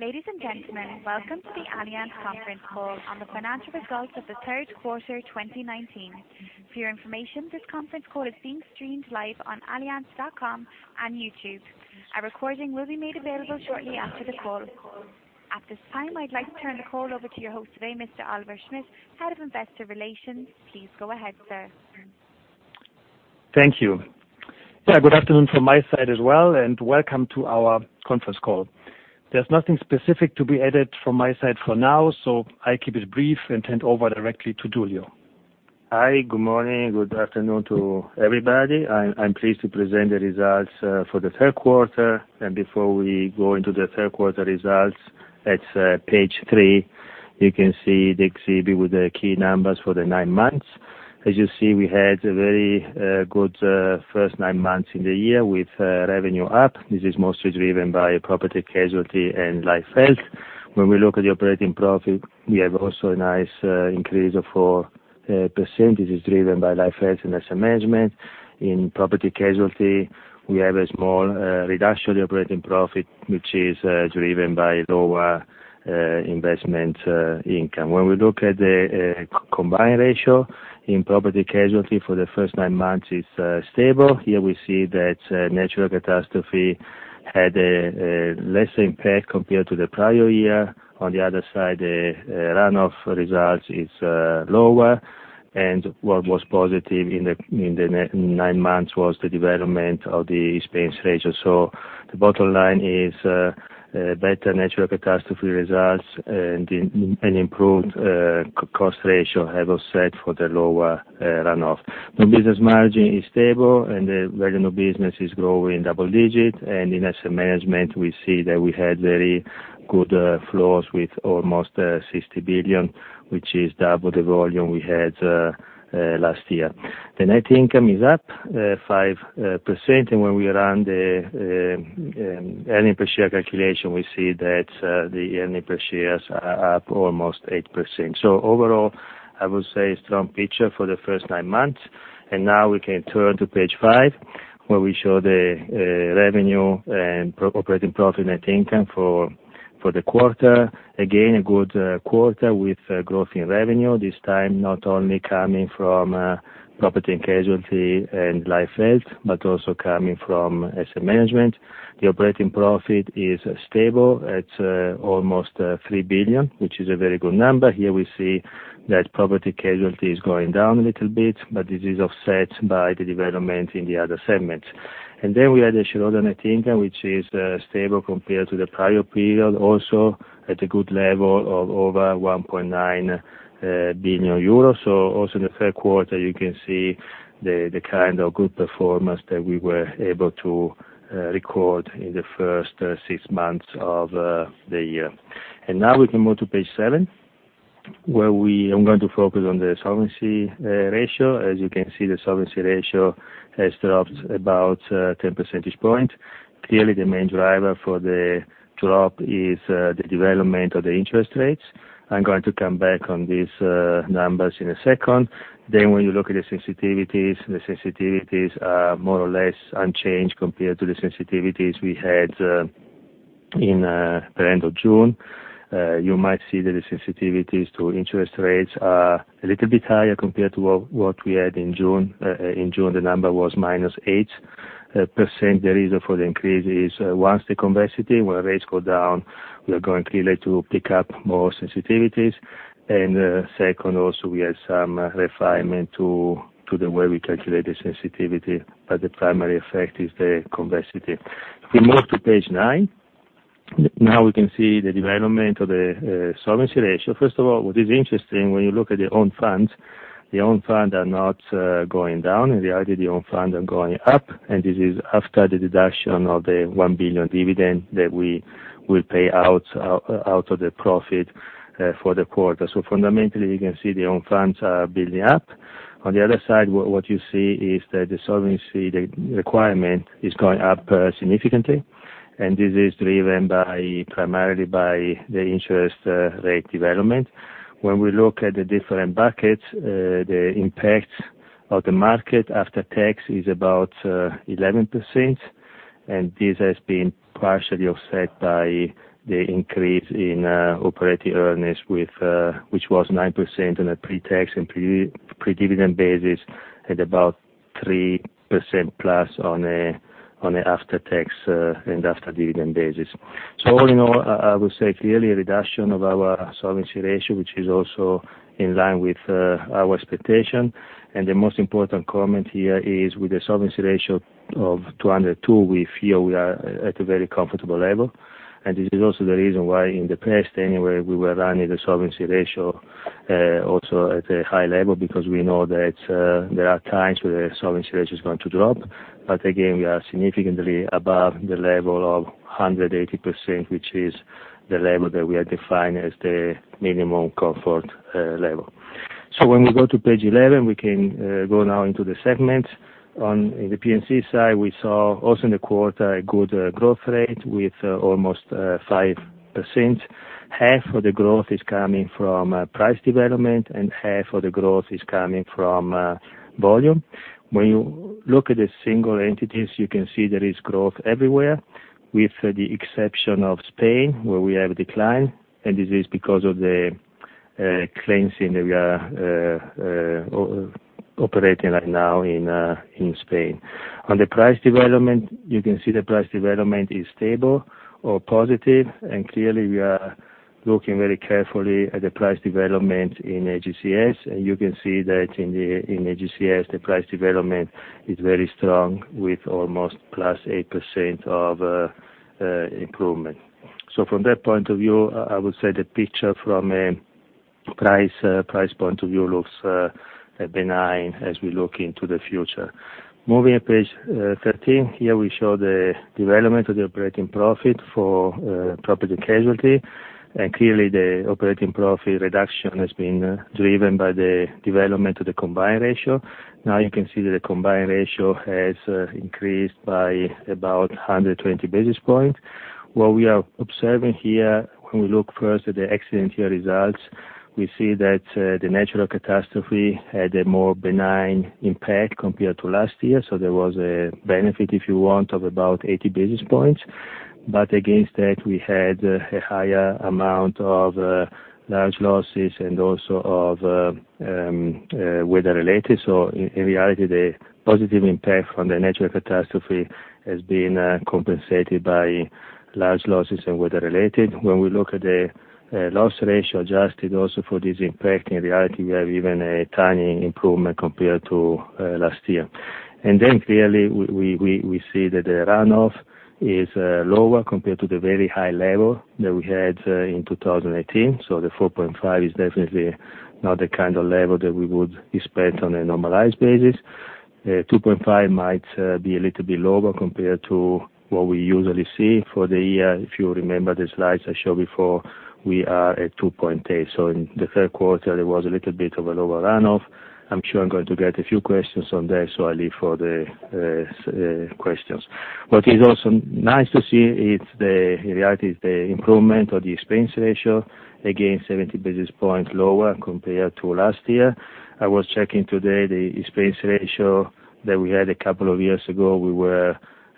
Ladies and gentlemen, welcome to the Allianz conference call on the financial results of the third quarter 2019. For your information, this conference call is being streamed live on allianz.com and YouTube. A recording will be made available shortly after the call. At this time, I'd like to turn the call over to your host today, Mr. Oliver Schmidt, Head of Investor Relations. Please go ahead, sir. Thank you. Yeah, good afternoon from my side as well, and welcome to our conference call. There's nothing specific to be added from my side for now, so I keep it brief and hand over directly to Giulio. Hi, good morning. Good afternoon to everybody. I'm pleased to present the results for the third quarter. Before we go into the third quarter results, at Page 3, you can see the exhibit with the key numbers for the nine months. As you see, we had a very good first nine months in the year with revenue up. This is mostly driven by Property & Casualty and life health. When we look at the operating profit, we have also a nice increase of 4%. This is driven by life health and asset management. In Property & Casualty, we have a small reduction in operating profit, which is driven by lower investment income. When we look at the combined ratio in Property & Casualty for the first nine months, it's stable. Here we see that natural catastrophe had a lesser impact compared to the prior year. On the other side, the runoff results is lower. What was positive in the nine months was the development of the expense ratio. The bottom line is, better natural catastrophe results and improved cost ratio have offset for the lower runoff. New business margin is stable. The regular new business is growing double digit. In asset management, we see that we had very good flows with almost 60 billion, which is double the volume we had last year. The net income is up 5%. When we run the earning per share calculation, we see that the earning per share is up almost 8%. Overall, I would say strong picture for the first nine months. Now we can turn to Page five, where we show the revenue and operating profit, net income for the quarter. A good quarter with growth in revenue, this time not only coming from Property and Casualty and Life Health, but also coming from asset management. The operating profit is stable at almost 3 billion, which is a very good number. Here we see that Property and Casualty is going down a little bit, this is offset by the development in the other segments. We had the shareholder net income, which is stable compared to the prior period, also at a good level of over 1.9 billion euros. Also in the third quarter, you can see the kind of good performance that we were able to record in the first six months of the year. Now we can move to Page seven, where I'm going to focus on the solvency ratio. As you can see, the solvency ratio has dropped about 10 percentage point. Clearly, the main driver for the drop is the development of the interest rates. I'm going to come back on these numbers in a second. When you look at the sensitivities, the sensitivities are more or less unchanged compared to the sensitivities we had in the end of June. You might see that the sensitivities to interest rates are a little bit higher compared to what we had in June. In June, the number was minus 8%. The reason for the increase is, first, the convexity, when rates go down, we are going clearly to pick up more sensitivities. Second, also we have some refinement to the way we calculate the sensitivity, but the primary effect is the convexity. If we move to Page nine, now we can see the development of the solvency ratio. First of all, what is interesting when you look at the own funds, the own funds are not going down. In reality, the own funds are going up, and this is after the deduction of the 1 billion dividend that we will pay out of the profit for the quarter. Fundamentally, you can see the own funds are building up. On the other side, what you see is that the solvency requirement is going up significantly, and this is driven primarily by the interest rate development. When we look at the different buckets, the impact of the market after tax is about 11%, and this has been partially offset by the increase in operating earnings, which was 9% on a pre-tax and pre-dividend basis, at about 3% plus on a after-tax and after-dividend basis. All in all, I would say clearly a reduction of our solvency ratio, which is also in line with our expectation. The most important comment here is with a solvency ratio of 202, we feel we are at a very comfortable level, and this is also the reason why in the past anyway, we were running the solvency ratio also at a high level, because we know that there are times where the solvency ratio is going to drop. Again, we are significantly above the level of 180%, which is the level that we had defined as the minimum comfort level. When we go to Page 11, we can go now into the segment. On the P&C side, we saw also in the quarter a good growth rate with almost 5% half of the growth is coming from price development and half of the growth is coming from volume. When you look at the single entities, you can see there is growth everywhere, with the exception of Spain, where we have decline, and this is because of the cleansing that we are operating right now in Spain. On the price development, you can see the price development is stable or positive. Clearly we are looking very carefully at the price development in AGCS. You can see that in AGCS, the price development is very strong with almost +8% of improvement. From that point of view, I would say the picture from a price point of view looks benign as we look into the future. Moving to page 13. Here we show the development of the operating profit for Property and Casualty. Clearly, the operating profit reduction has been driven by the development of the combined ratio. Now you can see that the combined ratio has increased by about 120 basis points. What we are observing here, when we look first at the accident year results, we see that the natural catastrophe had a more benign impact compared to last year. There was a benefit, if you want, of about 80 basis points. Against that, we had a higher amount of large losses and also of weather-related. In reality, the positive impact from the natural catastrophe has been compensated by large losses and weather-related. When we look at the loss ratio adjusted also for this impact, in reality we have even a tiny improvement compared to last year. Clearly we see that the runoff is lower compared to the very high level that we had in 2018. The 4.5 is definitely not the kind of level that we would expect on a normalized basis. 2.5 might be a little bit lower compared to what we usually see for the year. If you remember the slides I showed before, we are at 2.8. In the third quarter there was a little bit of a lower runoff. I'm sure I'm going to get a few questions on that, so I leave for the questions. What is also nice to see is the reality is the improvement of the expense ratio, again 70 basis points lower compared to last year. I was checking today the expense ratio that we had a couple of years ago, we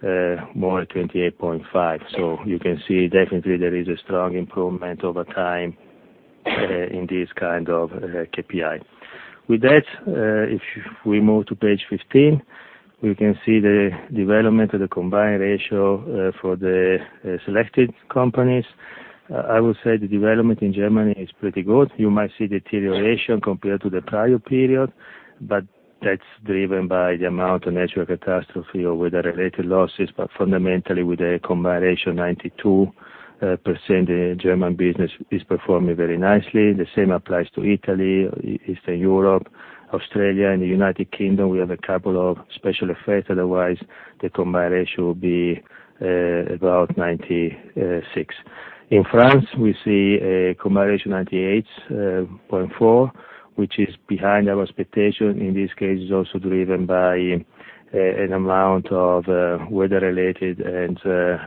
were more at 28.5. You can see definitely there is a strong improvement over time in this kind of KPI. With that, if we move to page 15, we can see the development of the combined ratio for the selected companies. I would say the development in Germany is pretty good. You might see deterioration compared to the prior period, but that's driven by the amount of natural catastrophe or weather-related losses. Fundamentally, with a combined ratio 92%, the German business is performing very nicely. The same applies to Italy, Eastern Europe, Australia, and the United Kingdom. We have a couple of special effects, otherwise the combined ratio would be about 96. In France we see a combined ratio 98.4, which is behind our expectation. In this case it's also driven by an amount of weather-related and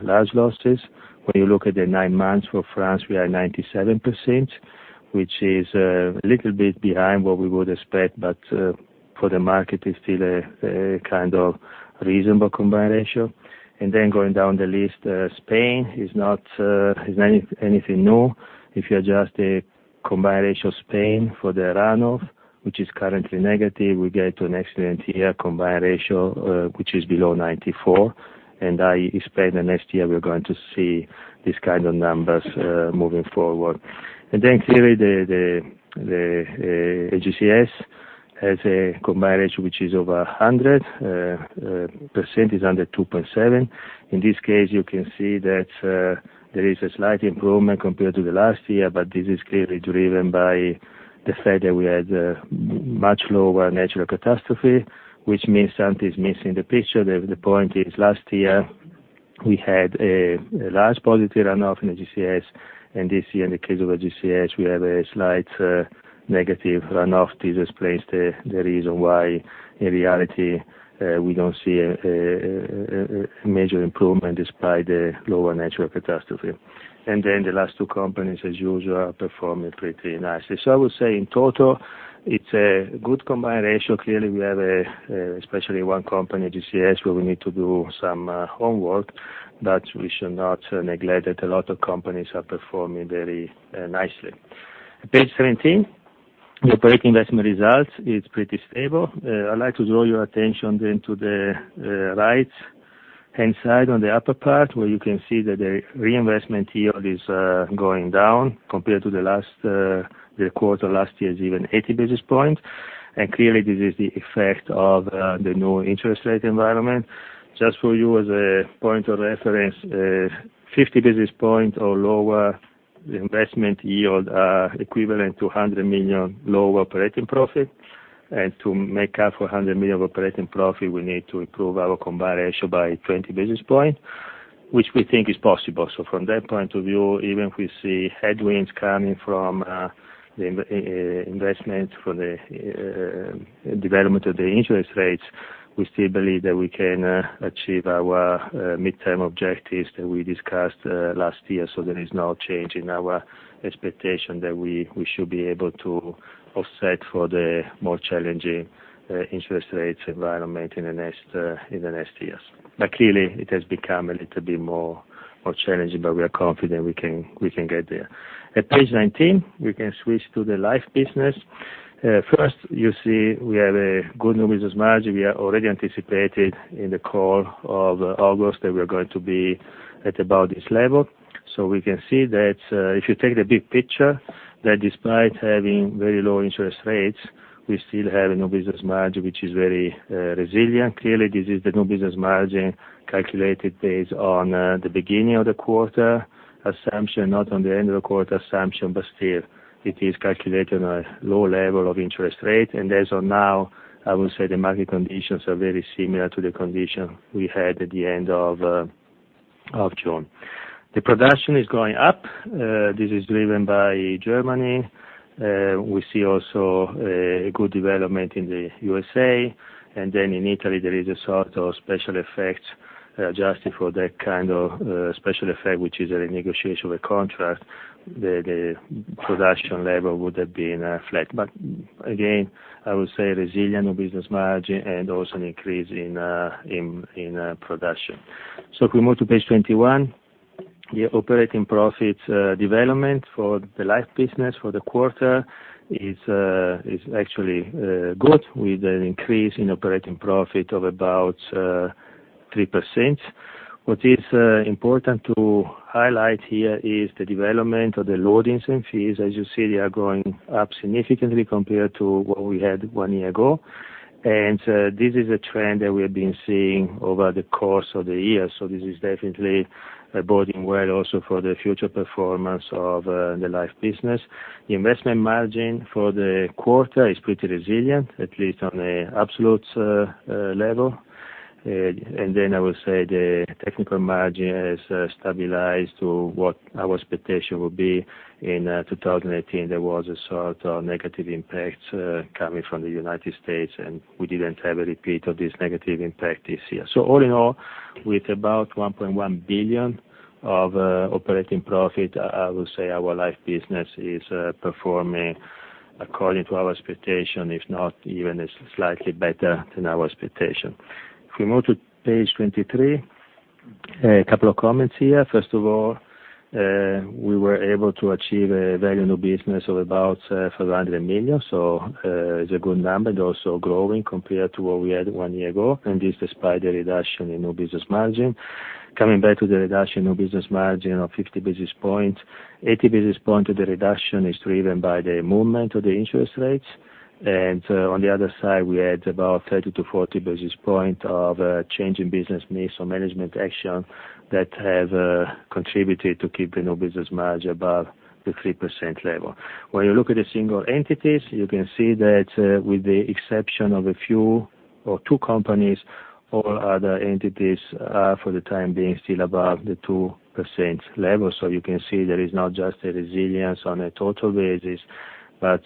large losses. When you look at the nine months for France, we are at 97%, which is a little bit behind what we would expect, but for the market it's still a kind of reasonable combined ratio. Going down the list, Spain is not anything new. If you adjust the combined ratio Spain for the runoff, which is currently negative, we get to an excellent year combined ratio, which is below 94. I expect the next year we are going to see these kind of numbers moving forward. Clearly the AGCS has a combined ratio which is over 100%, is under 2.7. In this case you can see that there is a slight improvement compared to the last year. This is clearly driven by the fact that we had much lower natural catastrophe, which means something is missing in the picture. The point is last year we had a large positive runoff in AGCS and this year in the case of AGCS we have a slight negative runoff. This explains the reason why in reality we don't see a major improvement despite the lower natural catastrophe. The last two companies as usual are performing pretty nicely. I would say in total it's a good combined ratio. Clearly we have especially one company, AGCS, where we need to do some homework. We should not neglect that a lot of companies are performing very nicely. Page 17, the operating investment results is pretty stable. I'd like to draw your attention then to the right-hand side on the upper part where you can see that the reinvestment yield is going down compared to the quarter last year is even 80 basis points. Clearly this is the effect of the new interest rate environment. Just for you as a point of reference, 50 basis points or lower investment yield are equivalent to 100 million lower operating profit. To make up for 100 million of operating profit, we need to improve our combined ratio by 20 basis points, which we think is possible. From that point of view, even if we see headwinds coming from the investment for the development of the interest rates, we still believe that we can achieve our midterm objectives that we discussed last year. There is no change in our expectation that we should be able to offset for the more challenging interest rates environment in the next years. Clearly, it has become a little bit more challenging, but we are confident we can get there. At page 19, we can switch to the life business. First, you see we have a good new business margin. We are already anticipated in the call of August that we are going to be at about this level. We can see that if you take the big picture, that despite having very low interest rates, we still have a new business margin, which is very resilient. Clearly, this is the new business margin calculated based on the beginning of the quarter assumption, not on the end of the quarter assumption, but still, it is calculated on a low level of interest rate. As of now, I would say the market conditions are very similar to the condition we had at the end of June. The production is going up. This is driven by Germany. We see also a good development in the U.S.A. In Italy, there is a sort of special effect adjusted for that kind of special effect, which is a renegotiation of a contract. The production level would have been flat. Again, I would say resilient new business margin and also an increase in production. If we move to page 21, the operating profit development for the life business for the quarter is actually good, with an increase in operating profit of about 3%. What is important to highlight here is the development of the loadings and fees. As you see, they are going up significantly compared to what we had one year ago. This is a trend that we have been seeing over the course of the year. This is definitely boding well also for the future performance of the life business. The investment margin for the quarter is pretty resilient, at least on an absolute level. I would say the technical margin has stabilized to what our expectation would be. In 2018, there was a sort of negative impact coming from the U.S., and we didn't have a repeat of this negative impact this year. All in all, with about 1.1 billion of operating profit, I would say our life business is performing according to our expectation, if not even slightly better than our expectation. If we move to page 23, a couple of comments here. First of all, we were able to achieve a value new business of about 400 million. It's a good number and also growing compared to what we had one year ago, and this despite the reduction in new business margin. Coming back to the reduction new business margin of 50 basis points, 80 basis point of the reduction is driven by the movement of the interest rates. On the other side, we had about 30-40 basis point of change in business mix or management action that have contributed to keep the new business margin above the 3% level. When you look at the single entities, you can see that with the exception of a few or two companies or other entities, for the time being, still above the 2% level. You can see there is not just a resilience on a total basis, but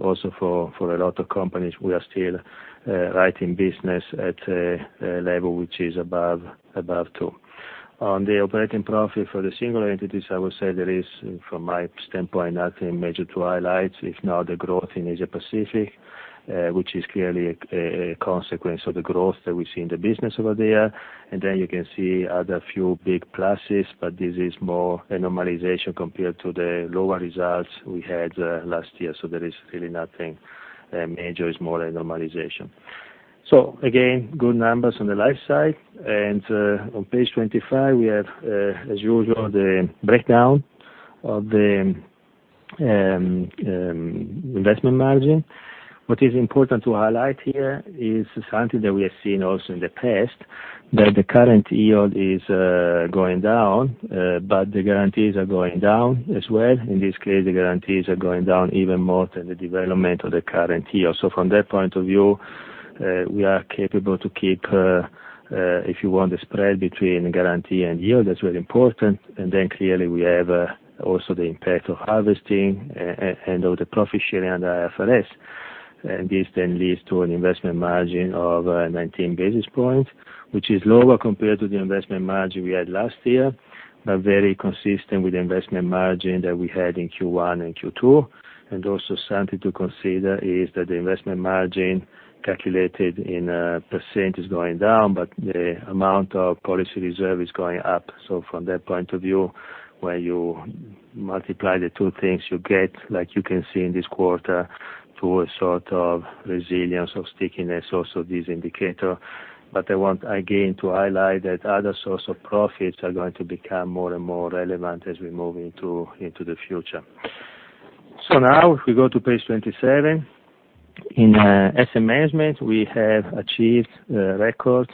also for a lot of companies, we are still right in business at a level which is above two. On the operating profit for the single entities, I would say there is, from my standpoint, nothing major to highlight, if not the growth in Asia Pacific, which is clearly a consequence of the growth that we see in the business over there. You can see other few big pluses, but this is more a normalization compared to the lower results we had last year. There is really nothing major. It's more a normalization. Again, good numbers on the life side. On page 25, we have, as usual, the breakdown of the investment margin. What is important to highlight here is something that we have seen also in the past, that the current yield is going down, but the guarantees are going down as well. In this case, the guarantees are going down even more than the development of the current year. From that point of view, we are capable to keep, if you want, the spread between guarantee and yield. That's really important. Then clearly, we have also the impact of harvesting and of the profit sharing under IFRS. This then leads to an investment margin of 19 basis points, which is lower compared to the investment margin we had last year, but very consistent with the investment margin that we had in Q1 and Q2. Also something to consider is that the investment margin calculated in % is going down, but the amount of policy reserve is going up. From that point of view, when you multiply the two things you get, like you can see in this quarter, to a sort of resilience or stickiness also of this indicator. I want again to highlight that other source of profits are going to become more and more relevant as we move into the future. Now if we go to page 27, in asset management, we have achieved a record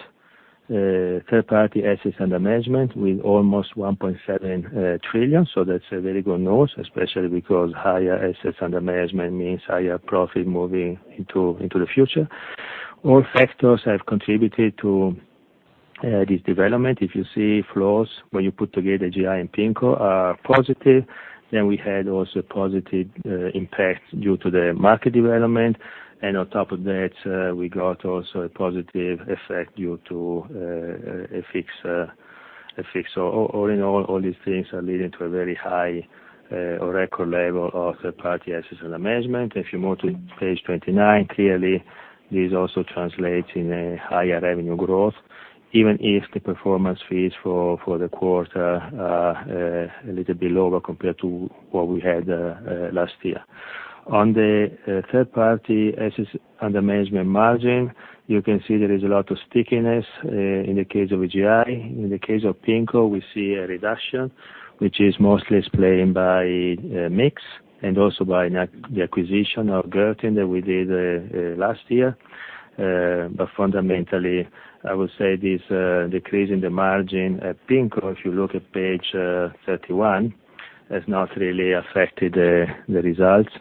third-party assets under management with almost 1.7 trillion. That's a very good note, especially because higher assets under management means higher profit moving into the future. All factors have contributed to this development. If you see flows, when you put together AGI and PIMCO are positive, we had also a positive impact due to the market development. On top of that, we got also a positive effect due to a fix. All in all these things are leading to a very high or record level of third-party assets under management. If you move to page 29, clearly this also translates in a higher revenue growth, even if the performance fees for the quarter are a little bit lower compared to what we had last year. On the third-party assets under management margin, you can see there is a lot of stickiness in the case of AGI. In the case of PIMCO, we see a reduction, which is mostly explained by mix and also by the acquisition of Gurtin that we did last year. Fundamentally, I would say this decrease in the margin at PIMCO, if you look at page 31, has not really affected the results.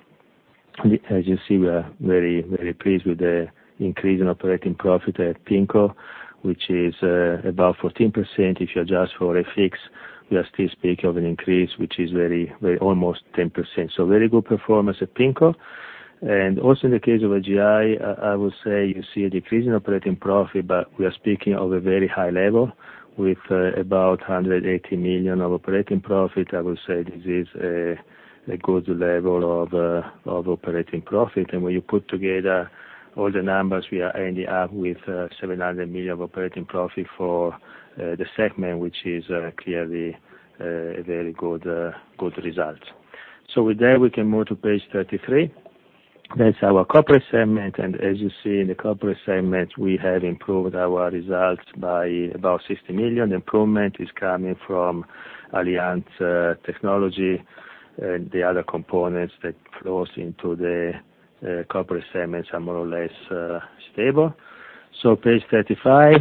As you see, we are very pleased with the increase in operating profit at PIMCO, which is about 14%. If you adjust for FX, we are still speaking of an increase, which is almost 10%. Very good performance at PIMCO. Also in the case of AGI, I would say you see a decrease in operating profit, but we are speaking of a very high level with about 180 million of operating profit. I would say this is a good level of operating profit. When you put together all the numbers, we are ending up with 700 million of operating profit for the segment, which is clearly a very good result. With that, we can move to page 33. That's our corporate segment. As you see in the corporate segment, we have improved our results by about 60 million. Improvement is coming from Allianz Technology. The other components that flows into the corporate segments are more or less stable. Page 35.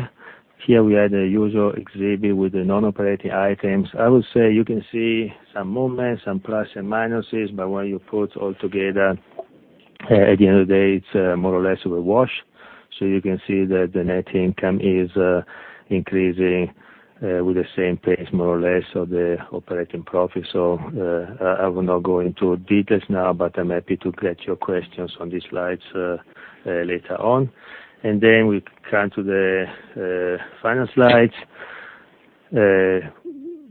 Here we have the usual exhibit with the non-operating items. I would say you can see some movements, some plus and minuses, but when you put all together, at the end of the day, it's more or less of a wash. You can see that the net income is increasing with the same pace, more or less, of the operating profit. I will not go into details now, but I'm happy to get your questions on these slides later on. We come to the final slide.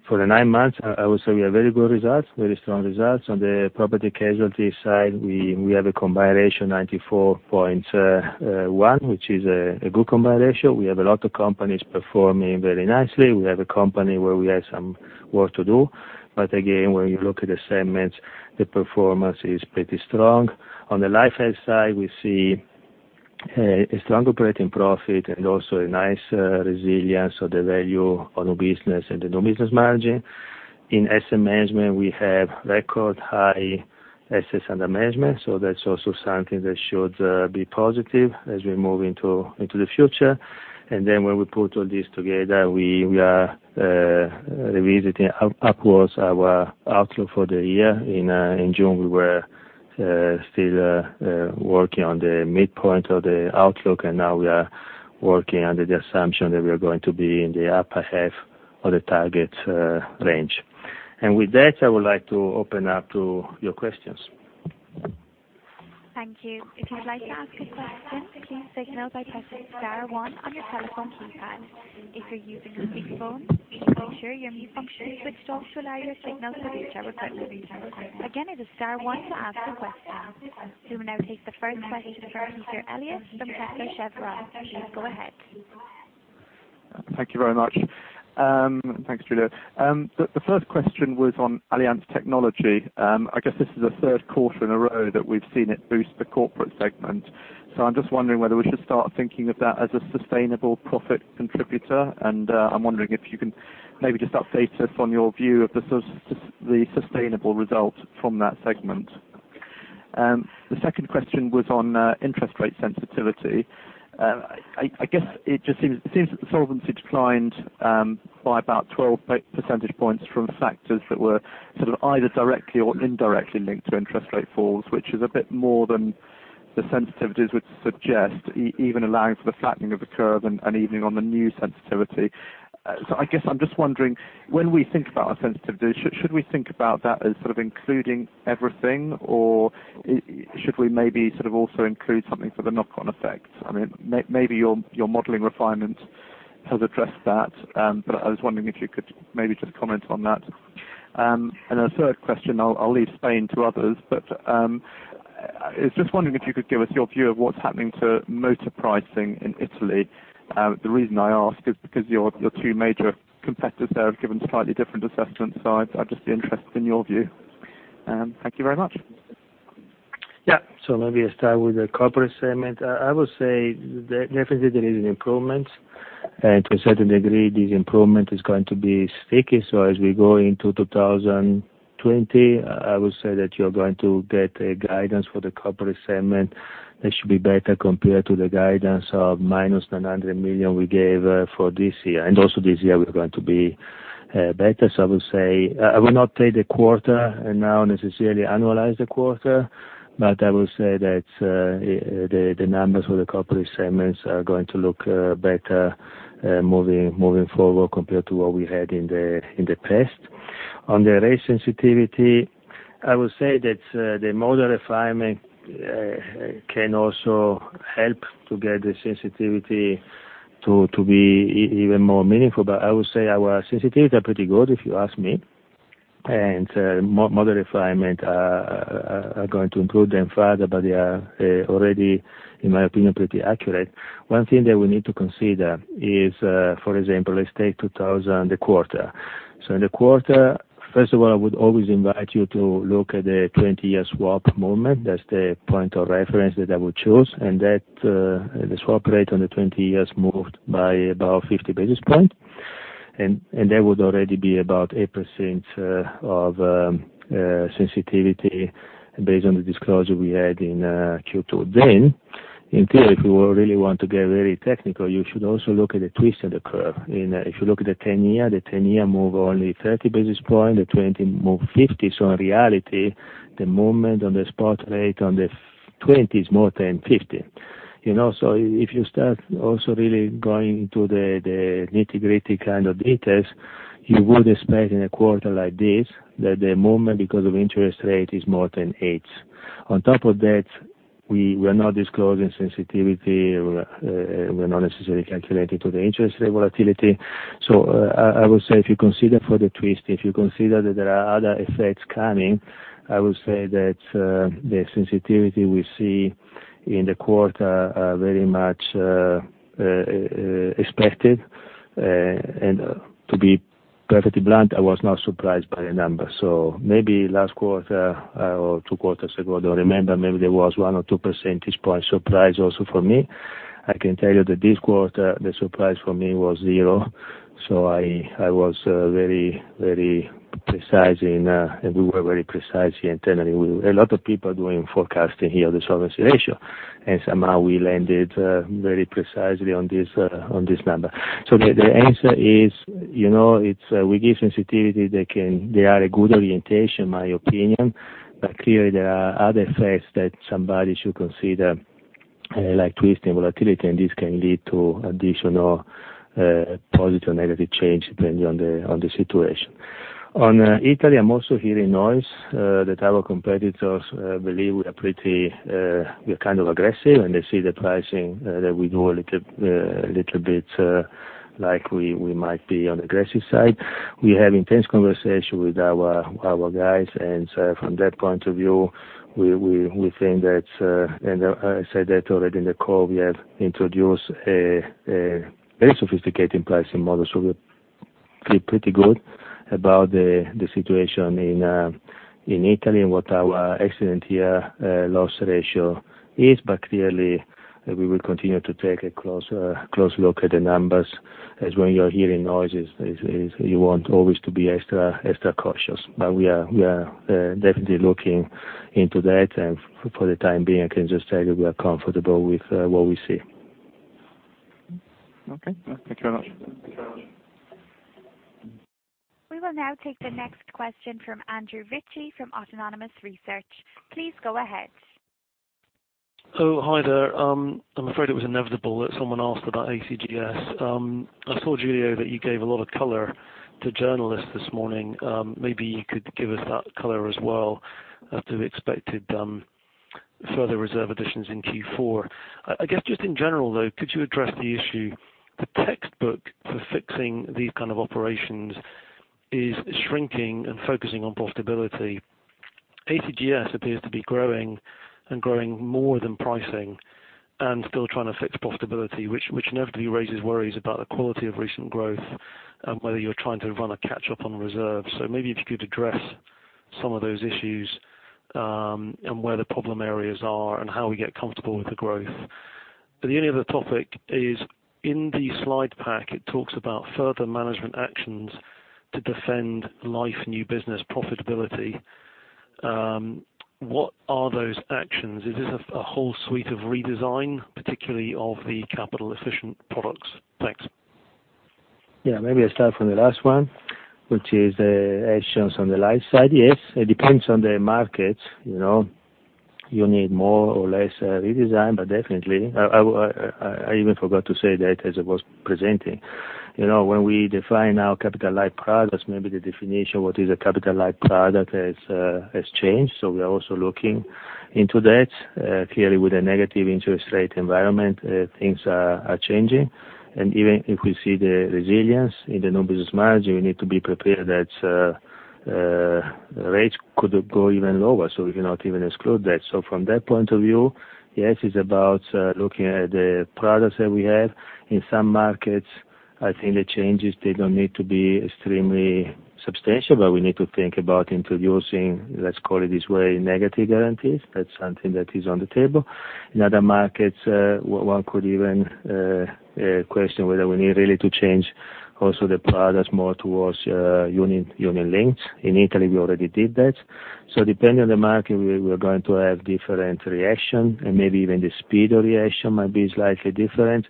For the nine months, I would say we have very good results, very strong results. On the Property & Casualty side, we have a combined ratio 94.1%, which is a good combined ratio. We have a lot of companies performing very nicely. We have a company where we have some work to do. Again, when you look at the segments, the performance is pretty strong. On the Life Health side, we see a strong operating profit and also a nice resilience of the value of new business and the new business margin. In Asset Management, we have record high assets under management. That's also something that should be positive as we move into the future. When we put all this together, we are revisiting upwards our outlook for the year. In June, we were still working on the midpoint of the outlook, now we are working under the assumption that we are going to be in the upper half of the target range. With that, I would like to open up to your questions. Thank you. If you'd like to ask a question, please signal by pressing star one on your telephone keypad. If you're using a mute phone, make sure your mute function is switched off to allow your signal to reach our representatives. Again, it is star one to ask a question. We will now take the first question from Peter Eliot from Kepler Cheuvreux. Please go ahead. Thank you very much. Thanks, Giulio. The first question was on Allianz Technology. I guess this is the third quarter in a row that we've seen it boost the corporate segment. I'm just wondering whether we should start thinking of that as a sustainable profit contributor. I'm wondering if you can maybe just update us on your view of the sustainable result from that segment. The second question was on interest rate sensitivity. I guess it just seems that the solvency declined by about 12 percentage points from factors that were sort of either directly or indirectly linked to interest rate falls, which is a bit more than the sensitivities would suggest, even allowing for the flattening of the curve and even on the new sensitivity. I guess I'm just wondering, when we think about our sensitivity, should we think about that as sort of including everything, or should we maybe sort of also include something for the knock-on effect? I mean, maybe your modeling refinement has addressed that, but I was wondering if you could maybe just comment on that. A third question, I'll leave Spain to others, but I was just wondering if you could give us your view of what's happening to motor pricing in Italy. The reason I ask is because your two major competitors there have given slightly different assessments. I'd just be interested in your view. Thank you very much. Maybe I start with the corporate segment. I would say definitely there is an improvement. To a certain degree, this improvement is going to be sticky. As we go into 2020, I would say that you're going to get a guidance for the corporate segment that should be better compared to the guidance of minus 900 million we gave for this year. Also this year, we are going to be better. I would say, I will not take the quarter and now necessarily annualize the quarter, but I will say that the numbers for the corporate segments are going to look better moving forward compared to what we had in the past. On the rate sensitivity, I would say that the model refinement can also help to get the sensitivity to be even more meaningful. I would say our sensitivities are pretty good, if you ask me. Model refinement are going to improve them further, but they are already, in my opinion, pretty accurate. One thing that we need to consider is, for example, let's take 2000, the quarter. In the quarter, first of all, I would always invite you to look at the 20-year swap movement. That's the point of reference that I would choose, and that the swap rate on the 20 years moved by about 50 basis point. That would already be about 8% of sensitivity based on the disclosure we had in Q2 then. In theory, if you really want to get very technical, you should also look at the twist of the curve. If you look at the 10-year, the 10-year move only 30 basis point, the 20 move 50. In reality, the movement on the spot rate on the 20 is more than 50. If you start also really going into the nitty-gritty kind of details, you would expect in a quarter like this that the movement because of interest rate is more than eight. On top of that, we are not disclosing sensitivity. We are not necessarily calculating to the interest rate volatility. I would say if you consider for the twist, if you consider that there are other effects coming, I would say that the sensitivity we see in the quarter are very much expected. To be perfectly blunt, I was not surprised by the numbers. Maybe last quarter or two quarters ago, don't remember, maybe there was one or two percentage point surprise also for me. I can tell you that this quarter, the surprise for me was zero. We were very precise internally. A lot of people doing forecasting here, the solvency ratio, and somehow we landed very precisely on this number. The answer is, with these sensitivities, they are a good orientation, in my opinion. Clearly, there are other effects that somebody should consider, like twist and volatility, and this can lead to additional positive, negative change, depending on the situation. On Italy, I'm also hearing noise that our competitors believe we are kind of aggressive, and they see the pricing that we do a little bit like we might be on aggressive side. We have intense conversation with our guys, and so from that point of view, we think that, and I said that already in the call, we have introduced a very sophisticated pricing model. We feel pretty good about the situation in Italy and what our accident year loss ratio is. Clearly, we will continue to take a close look at the numbers as when you are hearing noises, you want always to be extra cautious. We are definitely looking into that. For the time being, I can just tell you we are comfortable with what we see. Okay. Thank you very much. We will now take the next question from Andrew Ritchie from Autonomous Research. Please go ahead. Oh, hi there. I'm afraid it was inevitable that someone asked about AGCS. I saw, Giulio, that you gave a lot of color to journalists this morning. Maybe you could give us that color as well as to expected further reserve additions in Q4. I guess just in general, though, could you address the issue, the textbook for fixing these kind of operations is shrinking and focusing on profitability. AGCS appears to be growing and growing more than pricing and still trying to fix profitability, which inevitably raises worries about the quality of recent growth and whether you're trying to run a catch-up on reserve. Maybe if you could address some of those issues, and where the problem areas are and how we get comfortable with the growth. The other topic is in the slide pack, it talks about further management actions to defend life new business profitability. What are those actions? Is this a whole suite of redesign, particularly of the capital efficient products? Thanks. Maybe I start from the last one, which is actions on the life side. Yes, it depends on the market. You need more or less redesign, but definitely. I even forgot to say that as I was presenting. When we define our capital-light products, maybe the definition, what is a capital life product has changed. We are also looking into that. Clearly, with a negative interest rate environment, things are changing. Even if we see the resilience in the new business margin, we need to be prepared that rates could go even lower, we cannot even exclude that. From that point of view, yes, it's about looking at the products that we have. In some markets, I think the changes, they don't need to be extremely substantial, but we need to think about introducing, let's call it this way, negative guarantees. That's something that is on the table. In other markets, one could even question whether we need really to change also the products more towards unit-linked. In Italy, we already did that. Depending on the market, we're going to have different reaction, and maybe even the speed of reaction might be slightly different,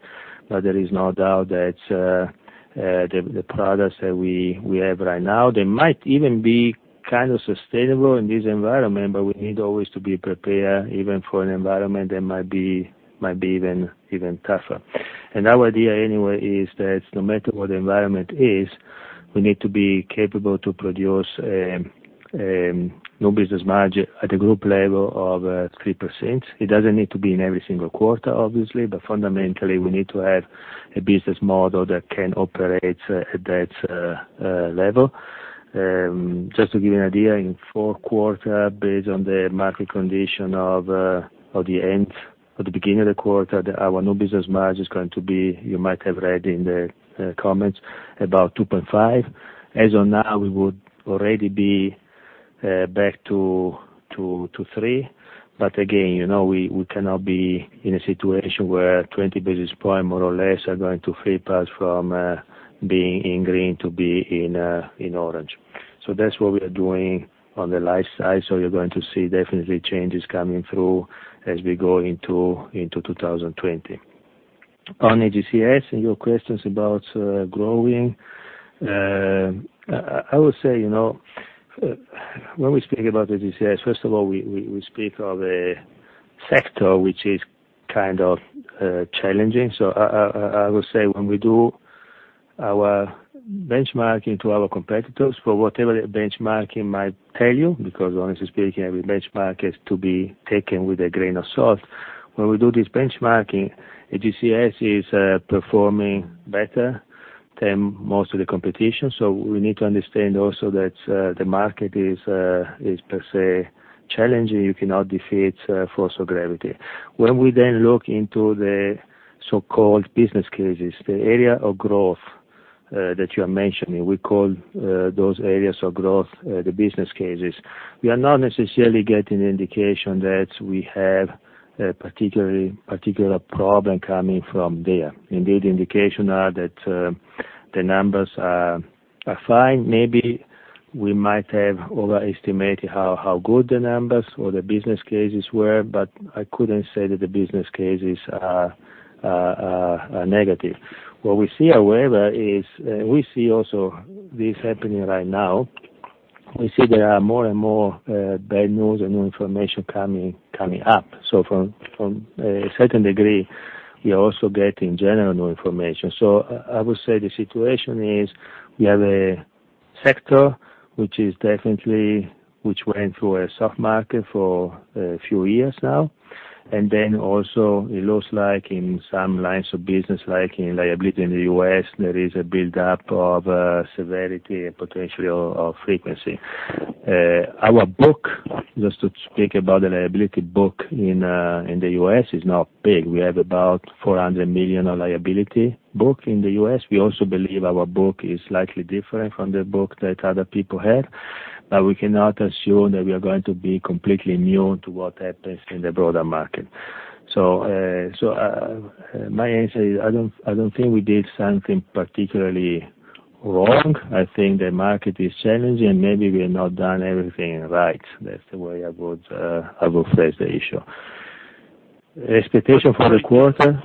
but there is no doubt that the products that we have right now, they might even be kind of sustainable in this environment, but we need always to be prepared even for an environment that might be even tougher. Our idea anyway is that no matter what the environment is, we need to be capable to produce new business margin at a group level of 3%. It doesn't need to be in every single quarter, obviously, but fundamentally, we need to have a business model that can operate at that level. Just to give you an idea, in four quarter, based on the market condition of the end or the beginning of the quarter, our new business margin is going to be, you might have read in the comments, about 2.5. As of now, we would already be back to three. Again, we cannot be in a situation where 20 basis point more or less are going to flip us from being in green to being in orange. That's what we are doing on the life side. You're going to see definitely changes coming through as we go into 2020. On AGCS, your questions about growing, I would say, when we speak about AGCS, first of all, we speak of a sector which is kind of challenging. I would say when we do our benchmarking to our competitors, for whatever the benchmarking might tell you, because honestly speaking, every benchmark is to be taken with a grain of salt. When we do this benchmarking, AGCS is performing better than most of the competition. We need to understand also that the market is per se challenging. You cannot defeat force of gravity. When we then look into the so-called business cases, the area of growth that you are mentioning, we call those areas of growth the business cases. We are not necessarily getting an indication that we have a particular problem coming from there. Indeed, indications are that the numbers are fine. Maybe we might have overestimated how good the numbers or the business cases were, but I couldn't say that the business cases are negative. What we see however is, we see also this happening right now. We see there are more and more bad news and new information coming up. From a certain degree, we are also getting general new information. I would say the situation is we have a sector which went through a soft market for a few years now, and then also it looks like in some lines of business, like in liability in the U.S., there is a buildup of severity and potentially of frequency. Our book, just to speak about the liability book in the U.S., is not big. We have about 400 million of liability book in the U.S. We also believe our book is slightly different from the book that other people have, but we cannot assume that we are going to be completely immune to what happens in the broader market. My answer is, I don't think we did something particularly wrong. I think the market is challenging, and maybe we have not done everything right. That's the way I would phrase the issue. Expectation for the quarter.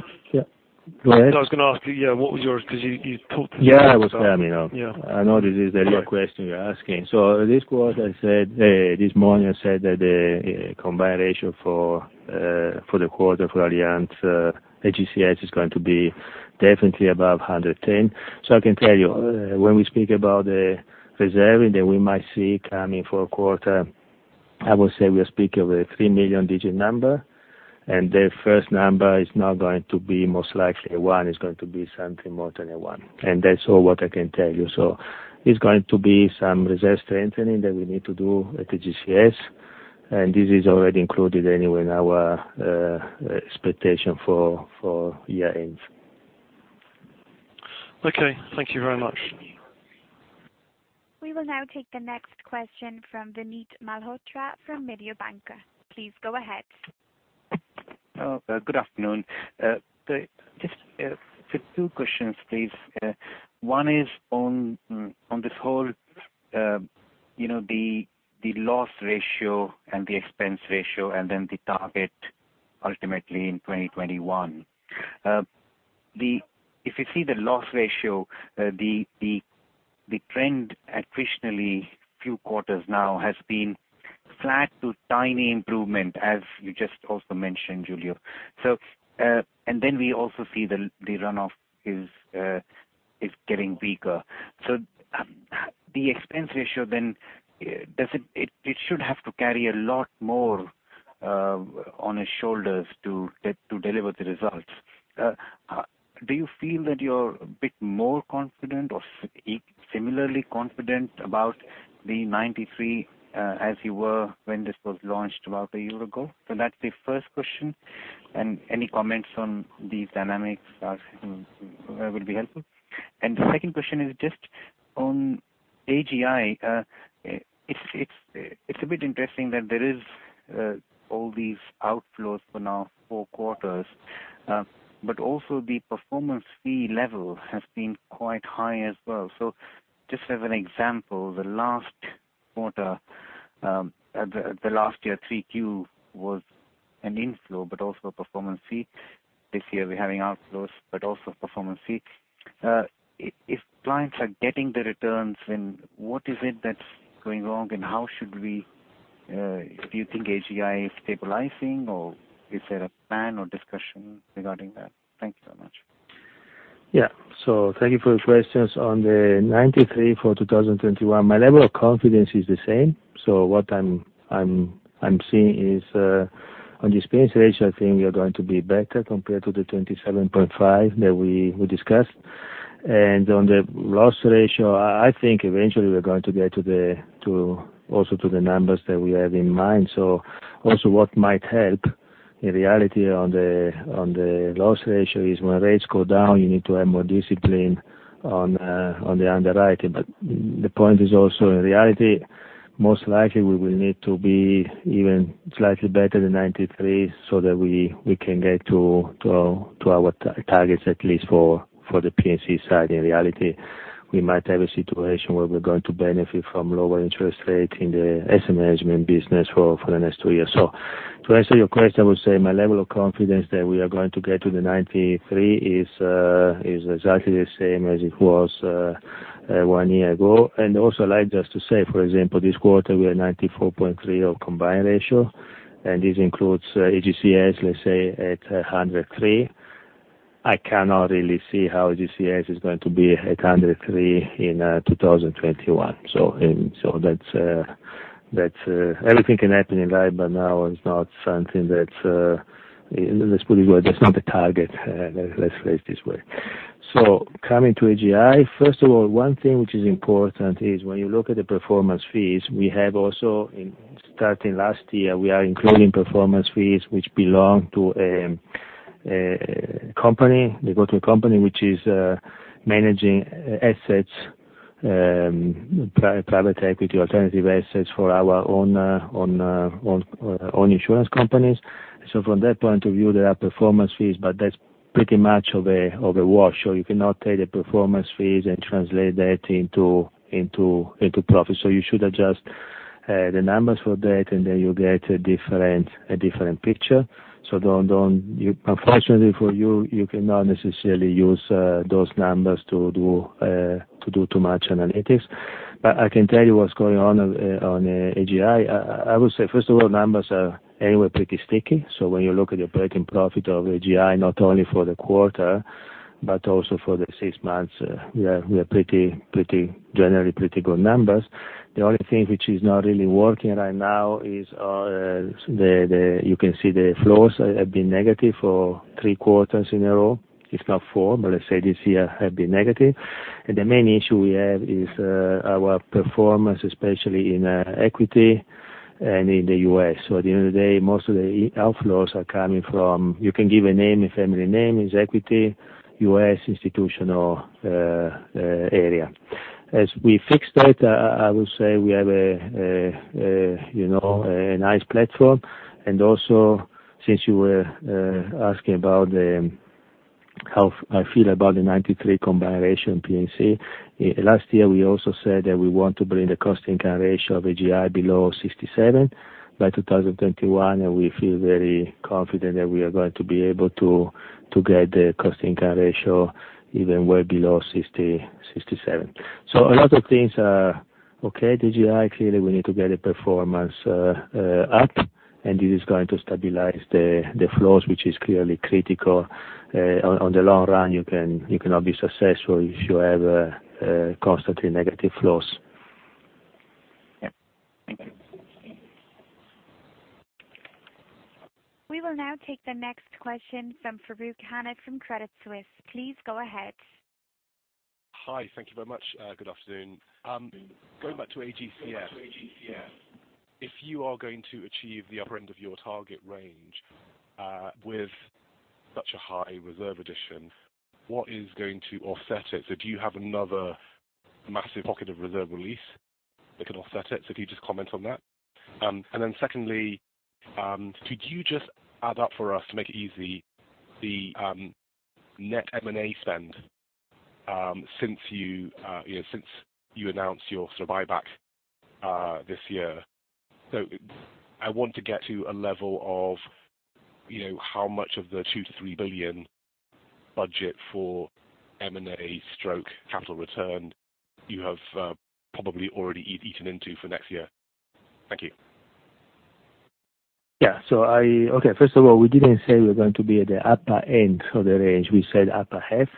Yeah. Go ahead. No, I was going to ask you, yeah, what was yours? Because you talked. Yeah, I was coming up. Yeah. I know this is the real question you're asking. This quarter I said, this morning I said that the combined ratio for the quarter for Allianz AGCS is going to be definitely above 110. I can tell you, when we speak about the reserve, that we might see coming for a quarter, I would say we are speaking of a three million digit number, and the first number is not going to be most likely a one, it's going to be something more than a one. That's all what I can tell you. It's going to be some reserve strengthening that we need to do at AGCS, and this is already included anyway in our expectation for year end. Okay. Thank you very much. We will now take the next question from Vinit Malhotra from Mediobanca. Please go ahead. Good afternoon. Just two questions, please. One is on this whole, the loss ratio and the expense ratio and then the target ultimately in 2021. If you see the loss ratio, the trend additionally few quarters now has been flat to tiny improvement, as you just also mentioned, Giulio. Then we also see the runoff is getting weaker. The expense ratio then, it should have to carry a lot more on its shoulders to deliver the results. Do you feel that you're a bit more confident or similarly confident about the 93 as you were when this was launched about a year ago? That's the first question, and any comments on the dynamics would be helpful. The second question is just on AGI. It's a bit interesting that there is all these outflows for now four quarters, but also the performance fee level has been quite high as well. Just as an example, the last quarter, the last year 3Q was an inflow, but also a performance fee. This year we're having outflows, but also a performance fee. If clients are getting the returns, then what is it that's going wrong and Do you think AGI is stabilizing, or is there a plan or discussion regarding that? Thank you so much. Thank you for the questions. On the 93% for 2021, my level of confidence is the same. What I'm seeing is, on this P&C ratio, I think we're going to be better compared to the 27.5% that we discussed. On the loss ratio, I think eventually we're going to get also to the numbers that we have in mind. Also what might help in reality on the loss ratio is when rates go down, you need to have more discipline on the underwriting. The point is also, in reality, most likely we will need to be even slightly better than 93% so that we can get to our targets, at least for the P&C side. In reality, we might have a situation where we're going to benefit from lower interest rate in the asset management business for the next two years. To answer your question, I would say my level of confidence that we are going to get to the 93 is exactly the same as it was one year ago. Also I'd like just to say, for example, this quarter we are 94.3 of combined ratio, and this includes AGCS, let's say at 103. I cannot really see how AGCS is going to be at 103 in 2021. That's everything can happen in life, but now it's not something that, let's put it this way, that's not the target, let's face this way. Coming to AGI, first of all, one thing which is important is when you look at the performance fees, we have also starting last year, we are including performance fees which belong to a company. They go to a company which is managing assets, private equity, alternative assets for our own insurance companies. From that point of view, there are performance fees, but that's pretty much of a wash. You cannot take the performance fees and translate that into profit. You should adjust the numbers for that, and then you get a different picture. Unfortunately for you cannot necessarily use those numbers to do too much analytics. I can tell you what's going on on AGI. I would say, first of all, numbers are anyway pretty sticky. When you look at the operating profit of AGI, not only for the quarter but also for the six months, we are generally pretty good numbers. The only thing which is not really working right now is you can see the flows have been negative for three quarters in a row. It's not four, but let's say this year have been negative. The main issue we have is our performance, especially in equity and in the U.S. At the end of the day, most of the outflows are coming from, you can give a name, a family name, is equity, U.S. institutional area. As we fix that, I would say we have a nice platform. Also since you were asking about how I feel about the 93 combination P&C, last year we also said that we want to bring the cost income ratio of AGI below 67 by 2021, and we feel very confident that we are going to be able to get the cost income ratio even way below 67. A lot of things are okay at AGI. Clearly, we need to get the performance up, and this is going to stabilize the flows, which is clearly critical. On the long run, you cannot be successful if you have constantly negative flows. Yeah. Thank you. We will now take the next question from Farooq Hanif from Credit Suisse. Please go ahead. Hi. Thank you very much. Good afternoon. Going back to AGCS, if you are going to achieve the upper end of your target range with such a high reserve addition, what is going to offset it? Do you have another massive pocket of reserve release that can offset it? Can you just comment on that? Secondly, could you just add up for us to make it easy, the net M&A spend since you announced your sort of buyback this year? I want to get to a level of how much of the 2 billion-3 billion budget for M&A/capital return you have probably already eaten into for next year. Thank you. Okay. First of all, we didn't say we're going to be at the upper end of the range. We said upper half.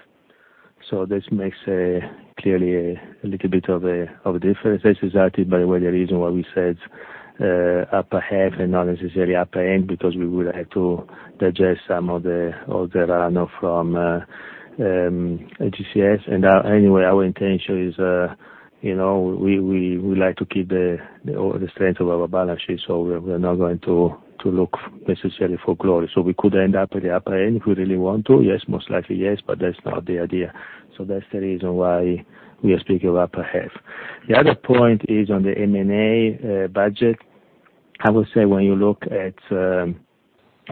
This makes clearly a little bit of a difference. This is actually, by the way, the reason why we said upper half and not necessarily upper end, because we would have to digest some of the run from AGCS. Anyway, our intention is we like to keep the strength of our balance sheet, so we are not going to look necessarily for growth. We could end up at the upper end if we really want to, yes, most likely yes, but that's not the idea. That's the reason why we are speaking upper half. The other point is on the M&A budget. I would say when you look at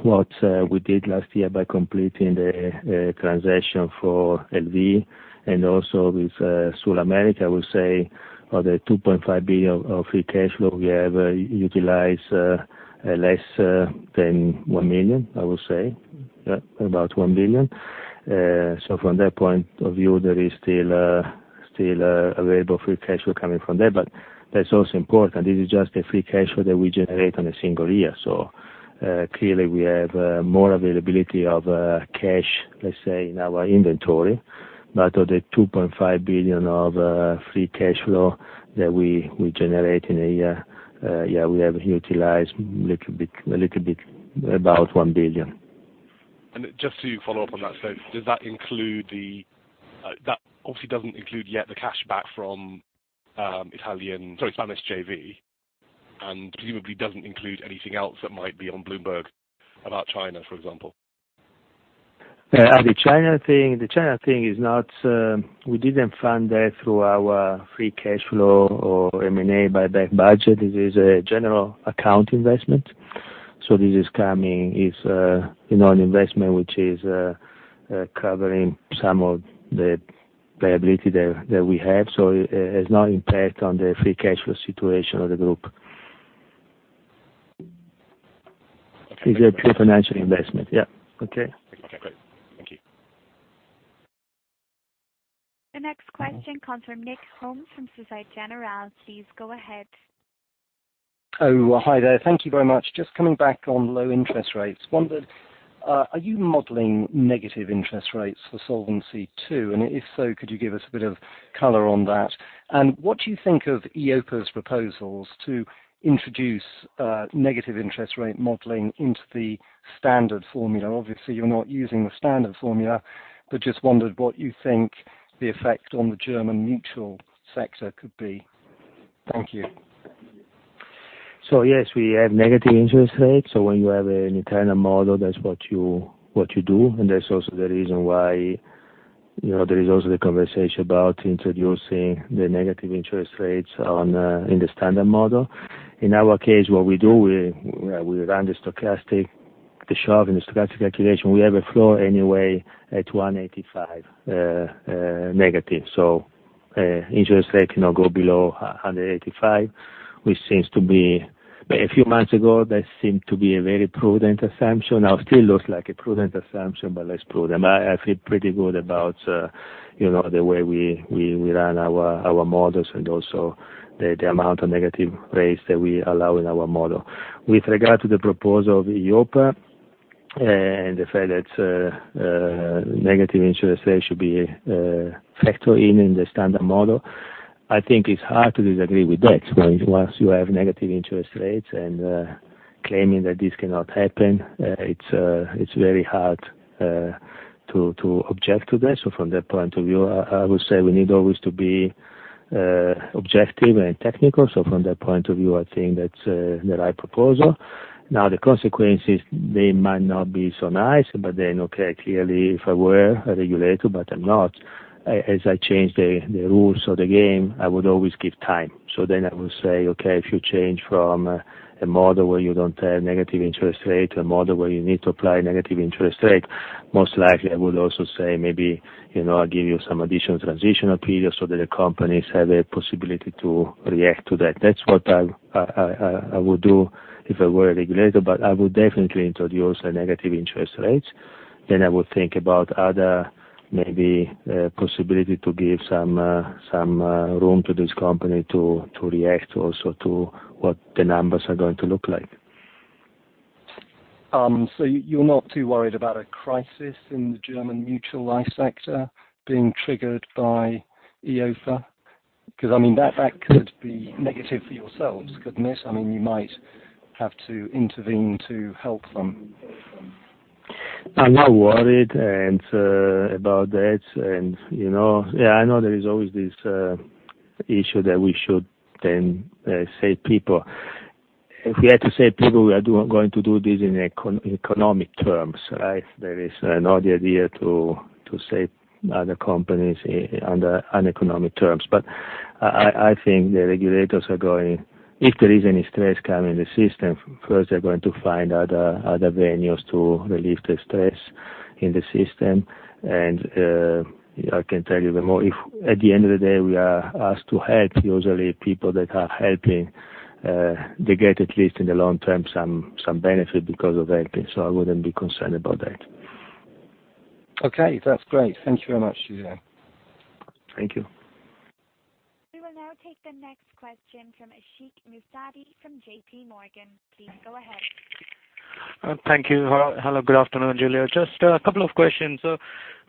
what we did last year by completing the transaction for LV= and also with SulAmérica, I would say of the 2.5 billion of free cash flow we have utilized less than 1 billion. From that point of view, there is still available free cash flow coming from there. That's also important. This is just a free cash flow that we generate in a single year. Clearly we have more availability of cash, let's say, in our inventory. Of the 2.5 billion of free cash flow that we generate in a year, we have utilized a little bit about 1 billion. Just to follow up on that. That obviously doesn't include yet the cash back from Spanish JV, and presumably doesn't include anything else that might be on Bloomberg about China, for example. The China thing we didn't fund that through our free cash flow or M&A buyback budget. This is a general account investment. This is an investment which is covering some of the liability that we have. It has no impact on the free cash flow situation of the group. It's a pure financial investment. Yeah. Okay. Okay, great. Thank you. The next question comes from Nick Holmes from Societe Generale. Please go ahead. Oh, hi there. Thank you very much. Just coming back on low interest rates. Wondered, are you modeling negative interest rates for Solvency II? If so, could you give us a bit of color on that? What do you think of EIOPA's proposals to introduce negative interest rate modeling into the standard formula? Obviously, you're not using the standard formula, but just wondered what you think the effect on the German mutual sector could be. Thank you. Yes, we have negative interest rates. When you have an internal model, that's what you do. That's also the reason why there is also the conversation about introducing the negative interest rates in the standard model. In our case, what we do, we run the shock and the stochastic calculation. We have a flow anyway at 185 negative. Interest rate cannot go below 185, which a few months ago, that seemed to be a very prudent assumption. Now, it still looks like a prudent assumption, but less prudent. I feel pretty good about the way we run our models and also the amount of negative rates that we allow in our model. With regard to the proposal of EIOPA and the fact that negative interest rates should be factored in the standard model, I think it's hard to disagree with that. Once you have negative interest rates and claiming that this cannot happen, it's very hard to object to that. From that point of view, I would say we need always to be objective and technical. From that point of view, I think that's the right proposal. Now, the consequences, they might not be so nice, but then okay, clearly if I were a regulator, but I'm not, as I change the rules of the game, I would always give time. I would say, okay, if you change from a model where you don't have negative interest rate to a model where you need to apply negative interest rate, most likely I would also say maybe I'll give you some additional transitional period so that the companies have a possibility to react to that. That's what I would do if I were a regulator, but I would definitely introduce a negative interest rate. I would think about other maybe possibility to give some room to this company to react also to what the numbers are going to look like. You're not too worried about a crisis in the German mutual life sector being triggered by EIOPA? I mean, that could be negative for yourselves, couldn't it? You might have to intervene to help them. I'm not worried about that. I know there is always this issue that we should then save people. If we had to save people, we are going to do this in economic terms, right? There is no idea to save other companies under uneconomic terms. I think the regulators are going, if there is any stress coming in the system, first, they're going to find other venues to relieve the stress in the system. I can tell you the more, if at the end of the day, we are asked to help, usually people that are helping, they get at least in the long term, some benefit because of helping. I wouldn't be concerned about that. Okay. That's great. Thank you very much, Giulio. Thank you. We will now take the next question from Ashik Musaddi from JP Morgan. Please go ahead. Thank you. Hello. Good afternoon, Giulio. Just a couple of questions.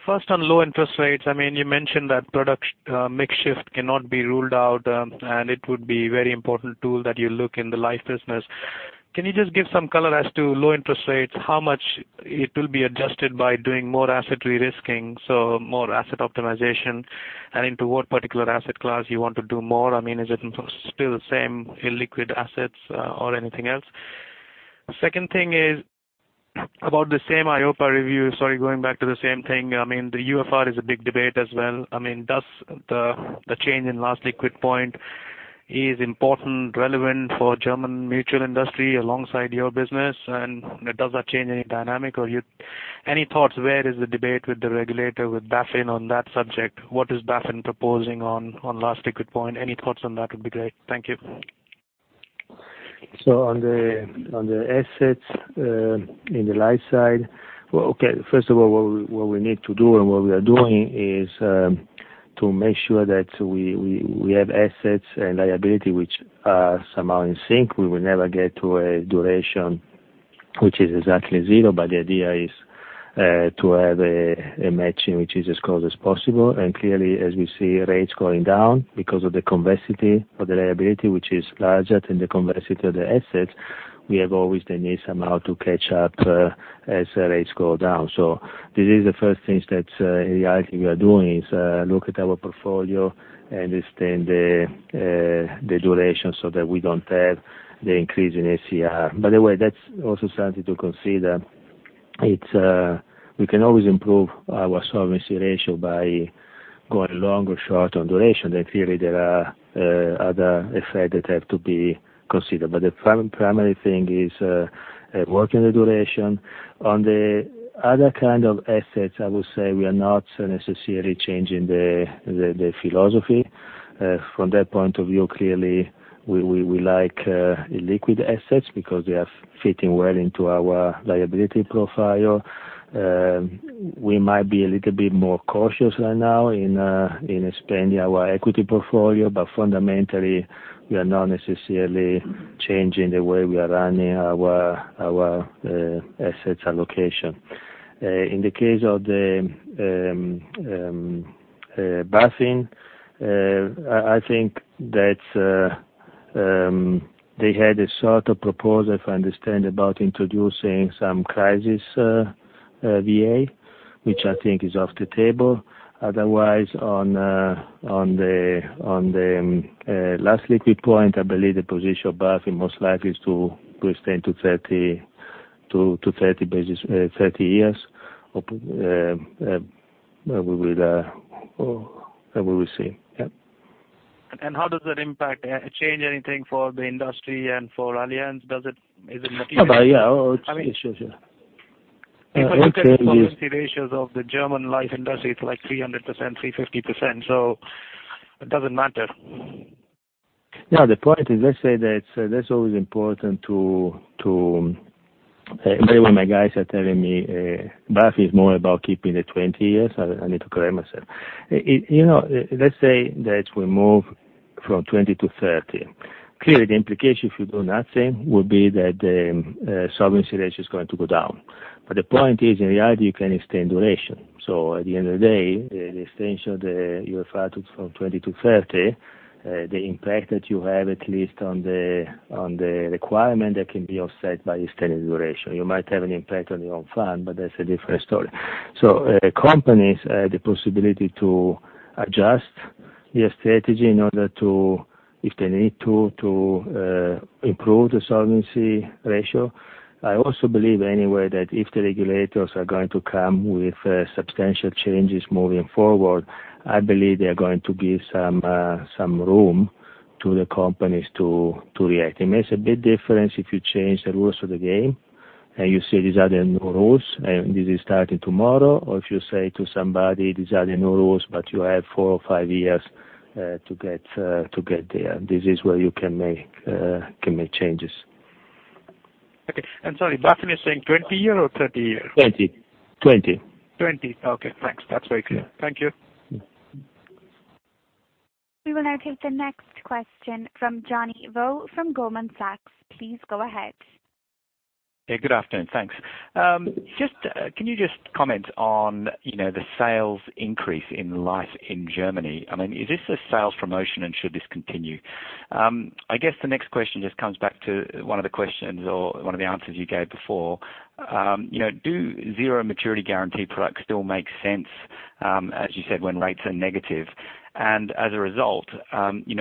First on low interest rates. You mentioned that product mix shift cannot be ruled out, and it would be very important tool that you look in the life business. Can you just give some color as to low interest rates, how much it will be adjusted by doing more asset de-risking, so more asset optimization? Into what particular asset class you want to do more? Is it still the same illiquid assets or anything else? Second thing is about the same EIOPA review. Sorry, going back to the same thing. The UFR is a big debate as well. Does the change in Last Liquid Point is important, relevant for German mutual industry alongside your business, and does that change any dynamic? Any thoughts where is the debate with the regulator, with BaFin on that subject? What is BaFin proposing on Last Liquid Point? Any thoughts on that would be great. Thank you. On the assets in the life side. Okay. First of all, what we need to do and what we are doing is to make sure that we have assets and liability, which are somehow in sync. We will never get to a duration which is exactly zero. The idea is to have a matching, which is as close as possible. Clearly, as we see rates going down because of the convexity of the liability, which is larger than the convexity of the assets, we have always the need somehow to catch up as rates go down. This is the first things that in reality we are doing is look at our portfolio, understand the duration so that we don't have the increase in SCR. By the way, that's also something to consider. We can always improve our solvency ratio by going long or short on duration. Clearly, there are other effects that have to be considered. The primary thing is working the duration. On the other kind of assets, I would say we are not necessarily changing the philosophy. From that point of view, clearly, we like illiquid assets because they are fitting well into our liability profile. We might be a little bit more cautious right now in expanding our equity portfolio. Fundamentally, we are not necessarily changing the way we are running our assets allocation. In the case of the BaFin, I think that they had a sort of proposal, if I understand, about introducing some crisis VA, which I think is off the table. Otherwise, on the Last Liquid Point, I believe the position of BaFin most likely is to extend to 30 years. We will see. Yeah. How does that impact change anything for the industry and for Allianz? Is it material? Yeah. Sure. If you look at the solvency ratios of the German life industry, it's like 300%, 350%, so it doesn't matter. The point is, by the way, my guys are telling me BaFin is more about keeping it 20 years. I need to correct myself. Let's say that we move from 20 to 30. Clearly, the implication, if you do nothing, would be that the solvency ratio is going to go down. The point is, in reality, you can extend duration. At the end of the day, the extension of the UFR from 20 to 30, the impact that you have, at least on the requirement, that can be offset by extending duration. You might have an impact on your own fund, but that's a different story. Companies have the possibility to adjust their strategy in order to, if they need to, improve the solvency ratio. I also believe anyway, that if the regulators are going to come with substantial changes moving forward, I believe they are going to give some room to the companies to react. It makes a big difference if you change the rules of the game and you say, "These are the new rules, and this is starting tomorrow." Or if you say to somebody, "These are the new rules, but you have four or five years to get there." This is where you can make changes. Okay. Sorry, BaFin is saying 20 year or 30 year? Twenty. 20. Okay, thanks. That's very clear. Thank you. We will now take the next question from Johnny Vo from Goldman Sachs. Please go ahead. Hey, good afternoon. Thanks. Can you just comment on the sales increase in life in Germany? Is this a sales promotion, and should this continue? I guess the next question just comes back to one of the questions or one of the answers you gave before. Do zero maturity guarantee products still make sense, as you said, when rates are negative? As a result,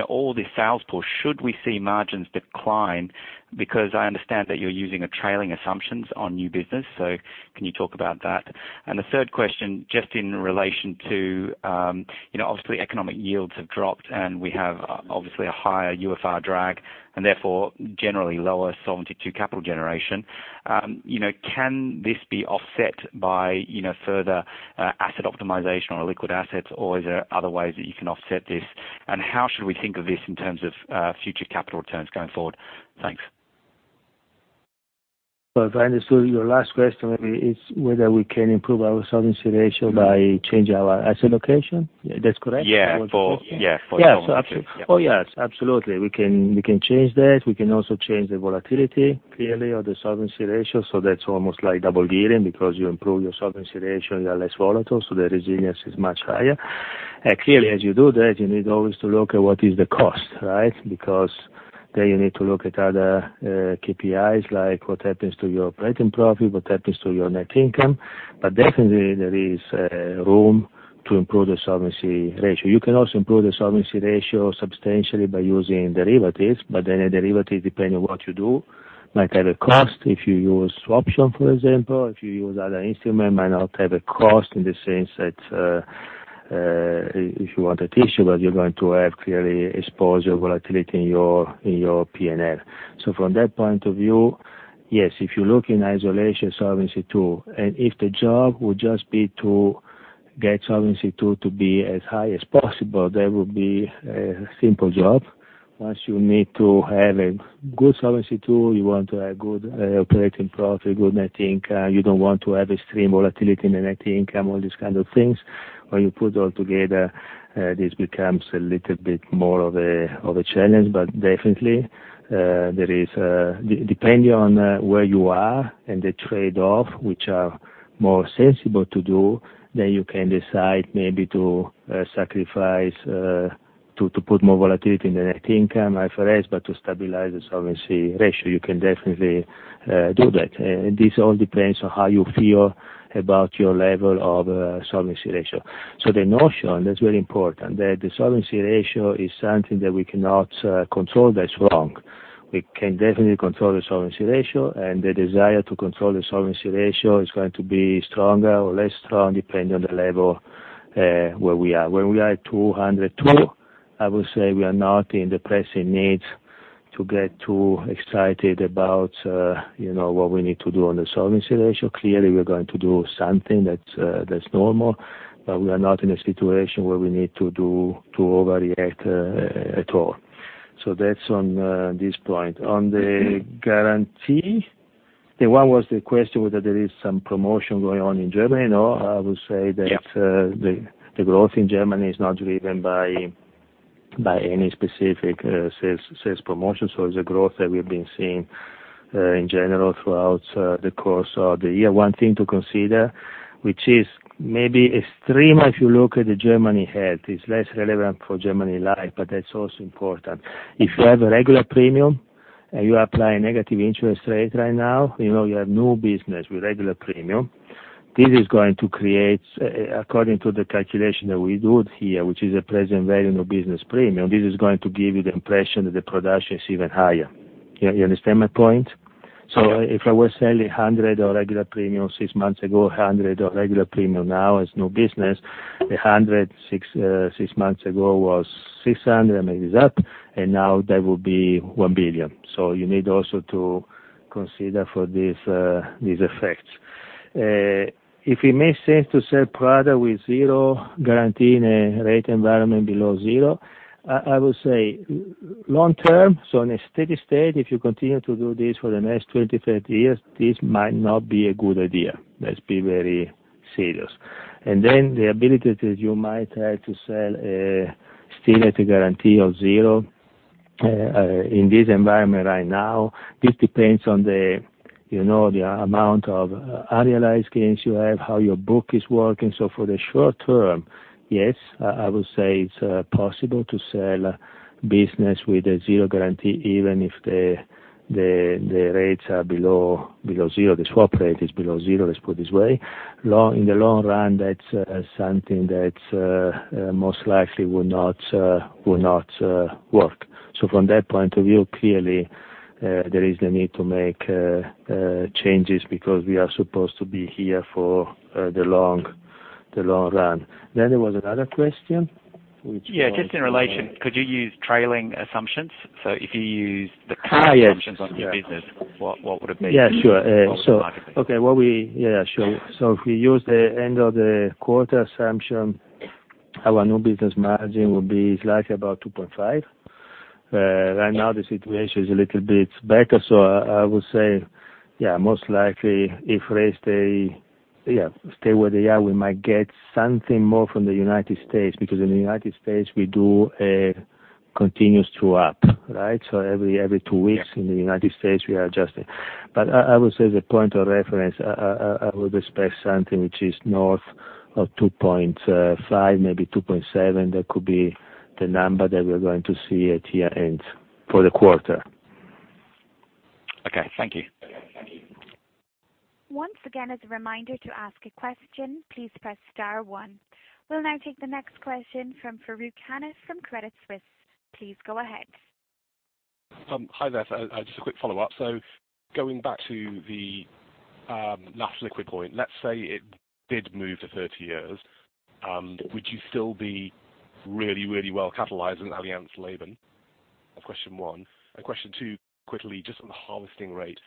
all this sales push, should we see margins decline because I understand that you're using a trailing assumptions on new business. Can you talk about that? The third question, just in relation to, obviously economic yields have dropped, and we have obviously a higher UFR drag and therefore generally lower Solvency II capital generation. Can this be offset by further asset optimization or liquid assets, or is there other ways that you can offset this? How should we think of this in terms of future capital returns going forward? Thanks. If I understood, your last question maybe is whether we can improve our solvency ratio by changing our asset location. That's correct? Yeah. For solvency. Yes, absolutely. We can change that. We can also change the volatility clearly of the solvency ratio. That's almost like double gearing because you improve your solvency ratio, you are less volatile, so the resilience is much higher. Clearly, as you do that, you need always to look at what is the cost, right? You need to look at other KPIs, like what happens to your operating profit, what happens to your net income. Definitely, there is room to improve the solvency ratio. You can also improve the solvency ratio substantially by using derivatives. Any derivative, depending on what you do, might have a cost. If you use option, for example, if you use other instrument, might not have a cost in the sense that if you want a issue, but you're going to have clearly exposure volatility in your P&L. From that point of view, yes, if you look in isolation Solvency II, and if the job would just be to get Solvency II to be as high as possible, that would be a simple job. Once you need to have a good solvency tool, you want to have good operating profit, good net income. You don't want to have extreme volatility, net income, all these kinds of things. When you put it all together, this becomes a little bit more of a challenge. Definitely, depending on where you are and the trade-off, which are more sensible to do, then you can decide maybe to sacrifice, to put more volatility in the net income, IFRS, but to stabilize the solvency ratio, you can definitely do that. This all depends on how you feel about your level of solvency ratio. The notion that's very important, that the solvency ratio is something that we cannot control, that's wrong. We can definitely control the solvency ratio, and the desire to control the solvency ratio is going to be stronger or less strong, depending on the level where we are. Where we are at 202, I would say we are not in the pressing need to get too excited about what we need to do on the solvency ratio. We are going to do something that's normal, but we are not in a situation where we need to overreact at all. That's on this point. On the guarantee, one was the question whether there is some promotion going on in Germany. No, I would say that the growth in Germany is not driven by any specific sales promotion. It's a growth that we've been seeing in general throughout the course of the year. One thing to consider, which is maybe extreme if you look at the Germany health, it's less relevant for Germany Life, but that's also important. If you have a regular premium and you apply a negative interest rate right now, you have no business with regular premium. This is going to create, according to the calculation that we do here, which is a present value of business premium, this is going to give you the impression that the production is even higher. You understand my point? Yeah. If I were selling 100 of regular premium six months ago, 100 of regular premium now is no business. The 100 six months ago was 600, maybe it is up, and now that will be 1 billion. You need also to consider for these effects. If it makes sense to sell product with zero guarantee in a rate environment below zero, I would say long term. In a steady state, if you continue to do this for the next 20, 30 years, this might not be a good idea. Let's be very serious. The ability that you might have to sell still at a guarantee of zero in this environment right now, this depends on the amount of unrealized gains you have, how your book is working. For the short term, yes, I would say it is possible to sell business with a zero guarantee, even if the rates are below zero, the swap rate is below zero. Let's put it this way. In the long run, that is something that most likely will not work. From that point of view, clearly, there is the need to make changes because we are supposed to be here for the long run. There was another question. Yeah, just in relation, could you use trailing assumptions? If you use the current assumptions on new business, what would it be? Yeah, sure. What would the market be? Okay. Yeah, sure. If we use the end of the quarter assumption, our new business margin will be slightly about 2.5. Right now, the situation is a little bit better. I would say, yeah, most likely if rates stay where they are, we might get something more from the United States, because in the United States, we do a continuous true up. Every two weeks in the United States, we are adjusting. I would say the point of reference, I would expect something which is north of 2.5, maybe 2.7. That could be the number that we're going to see at year-end for the quarter. Okay, thank you. Once again, as a reminder to ask a question, please press star one. We'll now take the next question from Farooq Hanif from Credit Suisse. Please go ahead. Hi there. Just a quick follow-up. Going back to the Last Liquid Point, let's say it did move to 30 years, would you still be really well-capitalized in Allianz Leben? That's question one. Question two, quickly, just on the harvesting rate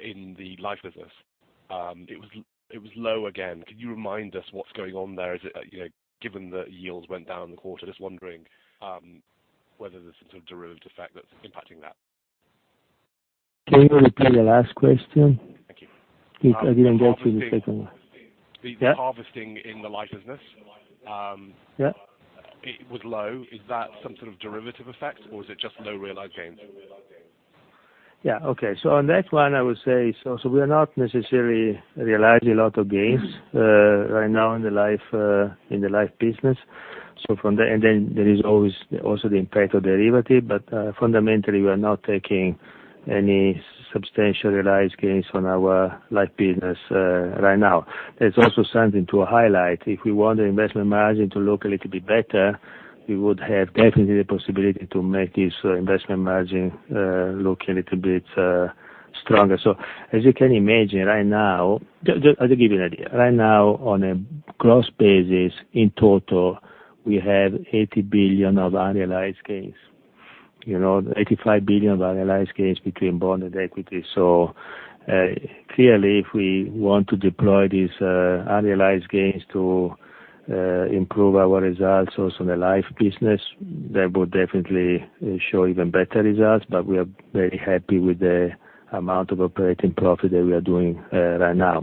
in the life business. It was low again. Can you remind us what's going on there? Given the yields went down in the quarter, just wondering whether there's some sort of derivative effect that's impacting that. Can you repeat your last question? Thank you. I didn't get to the second one. The harvesting in the life business. Yeah. It was low. Is that some sort of derivative effect or is it just low realized gains? Yeah. Okay. On that one, I would say we are not necessarily realizing a lot of gains right now in the life business. Then there is always also the impact of derivative, but fundamentally, we are not taking any substantial realized gains on our life business right now. There's also something to highlight. If we want the investment margin to look a little bit better, we would have definitely the possibility to make this investment margin look a little bit stronger. As you can imagine right now, I'll give you an idea. Right now, on a gross basis, in total, we have 80 billion of unrealized gains. 85 billion of unrealized gains between bond and equity. Clearly if we want to deploy these unrealized gains to improve our results also in the life business, that would definitely show even better results. We are very happy with the amount of operating profit that we are doing right now.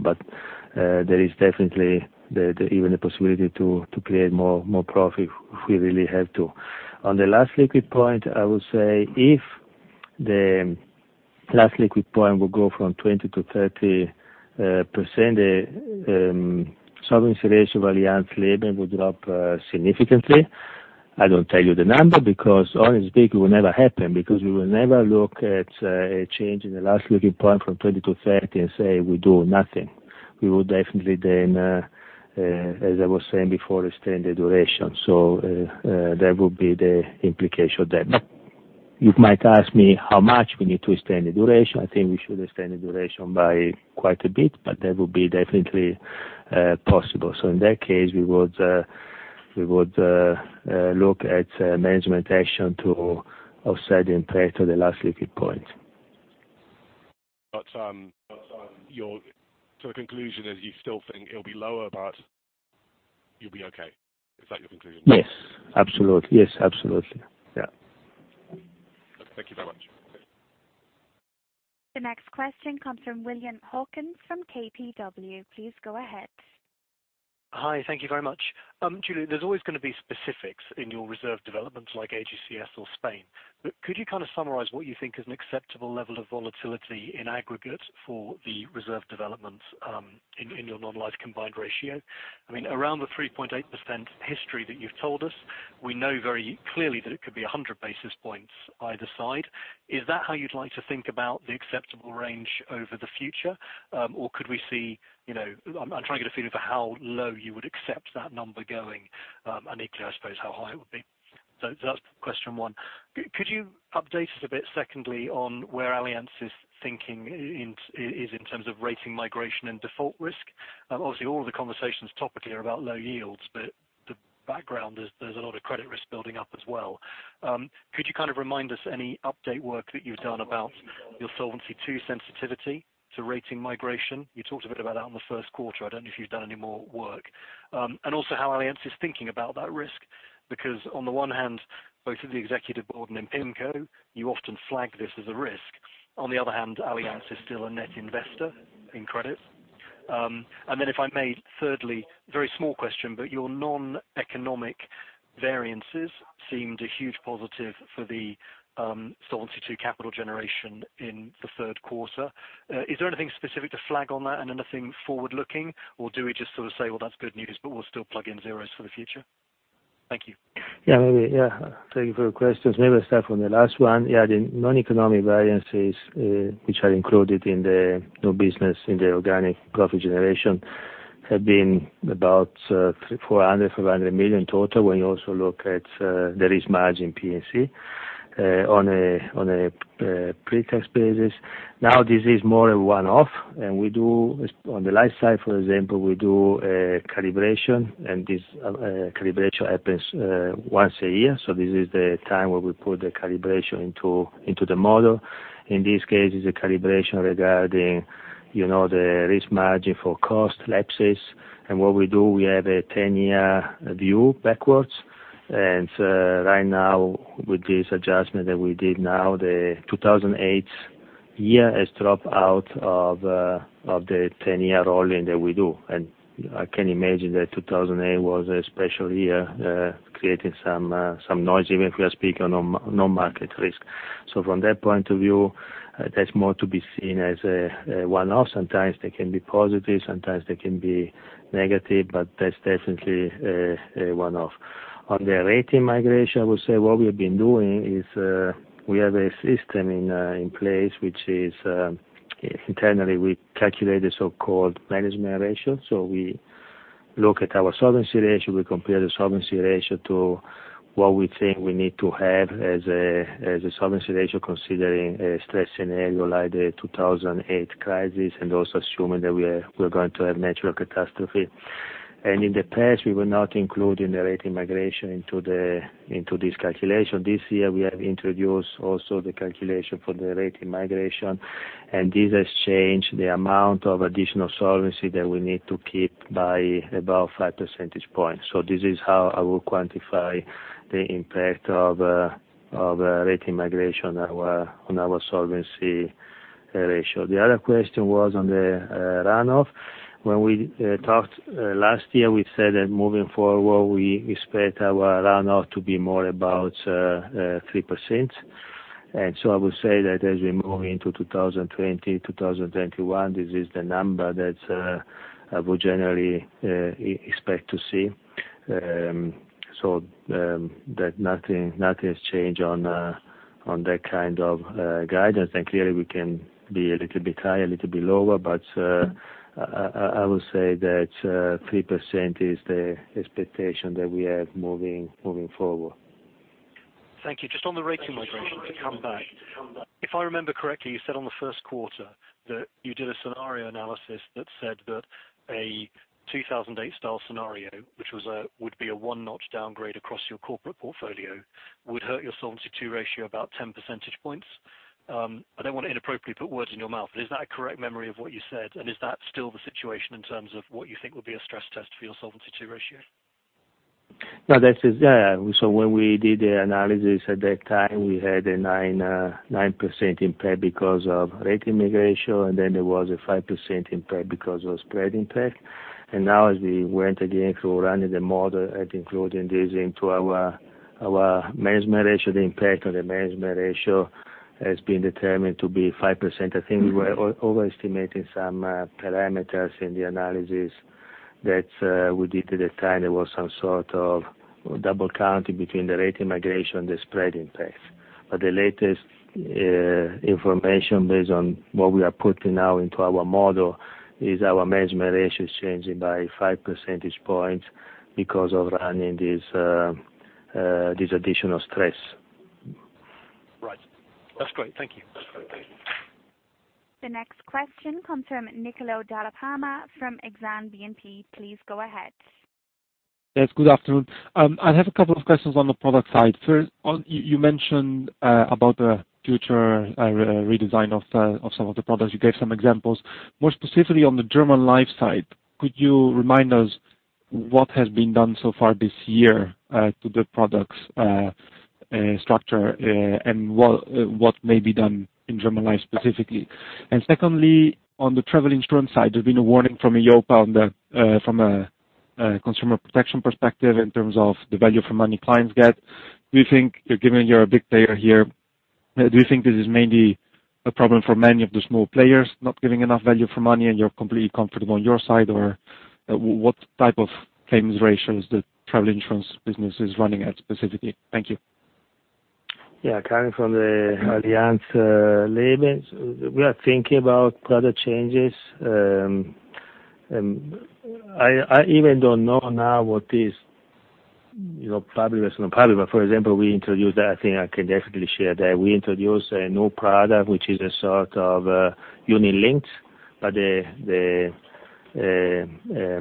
There is definitely even a possibility to create more profit if we really have to. On the Last Liquid Point, I would say if the Last Liquid Point will go from 20% to 30%, solvency ratio of Allianz Leben would drop significantly. I don't tell you the number because honestly speaking, it will never happen, because we will never look at a change in the Last Liquid Point from 20 to 30 and say we do nothing. We would definitely then, as I was saying before, extend the duration. That would be the implication of that. You might ask me how much we need to extend the duration. I think we should extend the duration by quite a bit, but that would be definitely possible. In that case, we would look at management action to offset the impact of the Last Liquid Point. Your conclusion is you still think it'll be lower, but you'll be okay. Is that your conclusion? Yes. Absolutely. Yes. Absolutely. Yeah. Thank you very much. The next question comes from William Hawkins from KBW. Please go ahead. Hi. Thank you very much. Giulio, there's always going to be specifics in your reserve development like AGCS or Spain, could you kind of summarize what you think is an acceptable level of volatility in aggregate for the reserve development in your non-life combined ratio? Around the 3.8% history that you've told us, we know very clearly that it could be 100 basis points either side. Is that how you'd like to think about the acceptable range over the future? Could we see, I'm trying to get a feeling for how low you would accept that number going, and equally, I suppose how high it would be. That's question one. Could you update us a bit secondly on where Allianz's thinking is in terms of rating migration and default risk? Obviously all the conversations topically are about low yields, but the background is there's a lot of credit risk building up as well. Could you kind of remind us any update work that you've done about your Solvency II sensitivity to rating migration? You talked a bit about that in the first quarter. I don't know if you've done any more work. Also, how Allianz is thinking about that risk, because on the one hand, both at the executive board and in PIMCO, you often flag this as a risk. On the other hand, Allianz is still a net investor in credit. Then if I may, thirdly, very small question, but your non-economic variances seemed a huge positive for the Solvency II capital generation in the third quarter. Is there anything specific to flag on that and anything forward-looking? Do we just sort of say, "Well, that's good news, but we'll still plug in zeros for the future"? Thank you. Yeah. Thank you for your questions. Maybe I start from the last one. Yeah, the non-economic variances, which are included in the new business in the organic profit generation, have been about 400 million, 500 million total when you also look at the risk margin P&C on a pre-tax basis. Now this is more a one-off and on the life side, for example, we do a calibration, and this calibration happens once a year. This is the time where we put the calibration into the model. In this case, it's a calibration regarding the risk margin for cost lapses. What we do, we have a 10-year view backwards. Right now, with this adjustment that we did now, the 2008 year has dropped out of the 10-year rolling that we do. I can imagine that 2008 was a special year, creating some noise, even if we are speaking on non-market risk. From that point of view, that's more to be seen as a one-off. Sometimes they can be positive, sometimes they can be negative, but that's definitely a one-off. On the rating migration, I would say what we've been doing is we have a system in place, which is internally we calculate the so-called management ratio. We look at our solvency ratio, we compare the solvency ratio to what we think we need to have as a solvency ratio considering a stress scenario like the 2008 crisis and also assuming that we're going to have natural catastrophe. In the past, we were not including the rating migration into this calculation. This year, we have introduced also the calculation for the rating migration, and this has changed the amount of additional solvency that we need to keep by about five percentage points. This is how I would quantify the impact of rating migration on our solvency ratio. The other question was on the runoff. When we talked last year, we said that moving forward, we expect our runoff to be more about 3%. I would say that as we move into 2020, 2021, this is the number that I would generally expect to see. Nothing has changed on that kind of guidance. Clearly we can be a little bit high, a little bit lower, but I would say that 3% is the expectation that we have moving forward. Thank you. Just on the rating migration to come back. If I remember correctly, you said on the first quarter that you did a scenario analysis that said that a 2008 style scenario, which would be a one notch downgrade across your corporate portfolio, would hurt your Solvency II ratio about 10 percentage points. I don't want to inappropriately put words in your mouth, is that a correct memory of what you said? Is that still the situation in terms of what you think would be a stress test for your Solvency II ratio? No, that is there. When we did the analysis at that time, we had a 9% impact because of rating migration, and then there was a 5% impact because of spread impact. Now as we went again through running the model and including this into our management ratio, the impact on the management ratio has been determined to be 5%. I think we were overestimating some parameters in the analysis that we did at the time. There was some sort of double counting between the rating migration and the spread impact. The latest information based on what we are putting now into our model is our management ratio is changing by 5 percentage points because of running this additional stress. Right. That's great. Thank you. The next question comes from Niccolo Dalla Palma from Exane BNP Paribas. Please go ahead. Yes, good afternoon. I have a couple of questions on the product side. First, you mentioned about the future redesign of some of the products. You gave some examples. More specifically on the German Life side, could you remind us what has been done so far this year to the product's structure and what may be done in German Life specifically? Secondly, on the travel insurance side, there's been a warning from EIOPA on that from a consumer protection perspective in terms of the value for money clients get. Given you're a big player here, do you think this is mainly a problem for many of the small players not giving enough value for money and you're completely comfortable on your side? Or what type of claims ratios the travel insurance business is running at specifically? Thank you. Coming from the Allianz Leben, we are thinking about product changes. I even don't know now what is public versus not public. For example, we introduced, I think I can definitely share that we introduced a new product, which is a sort of unit-linked. It is a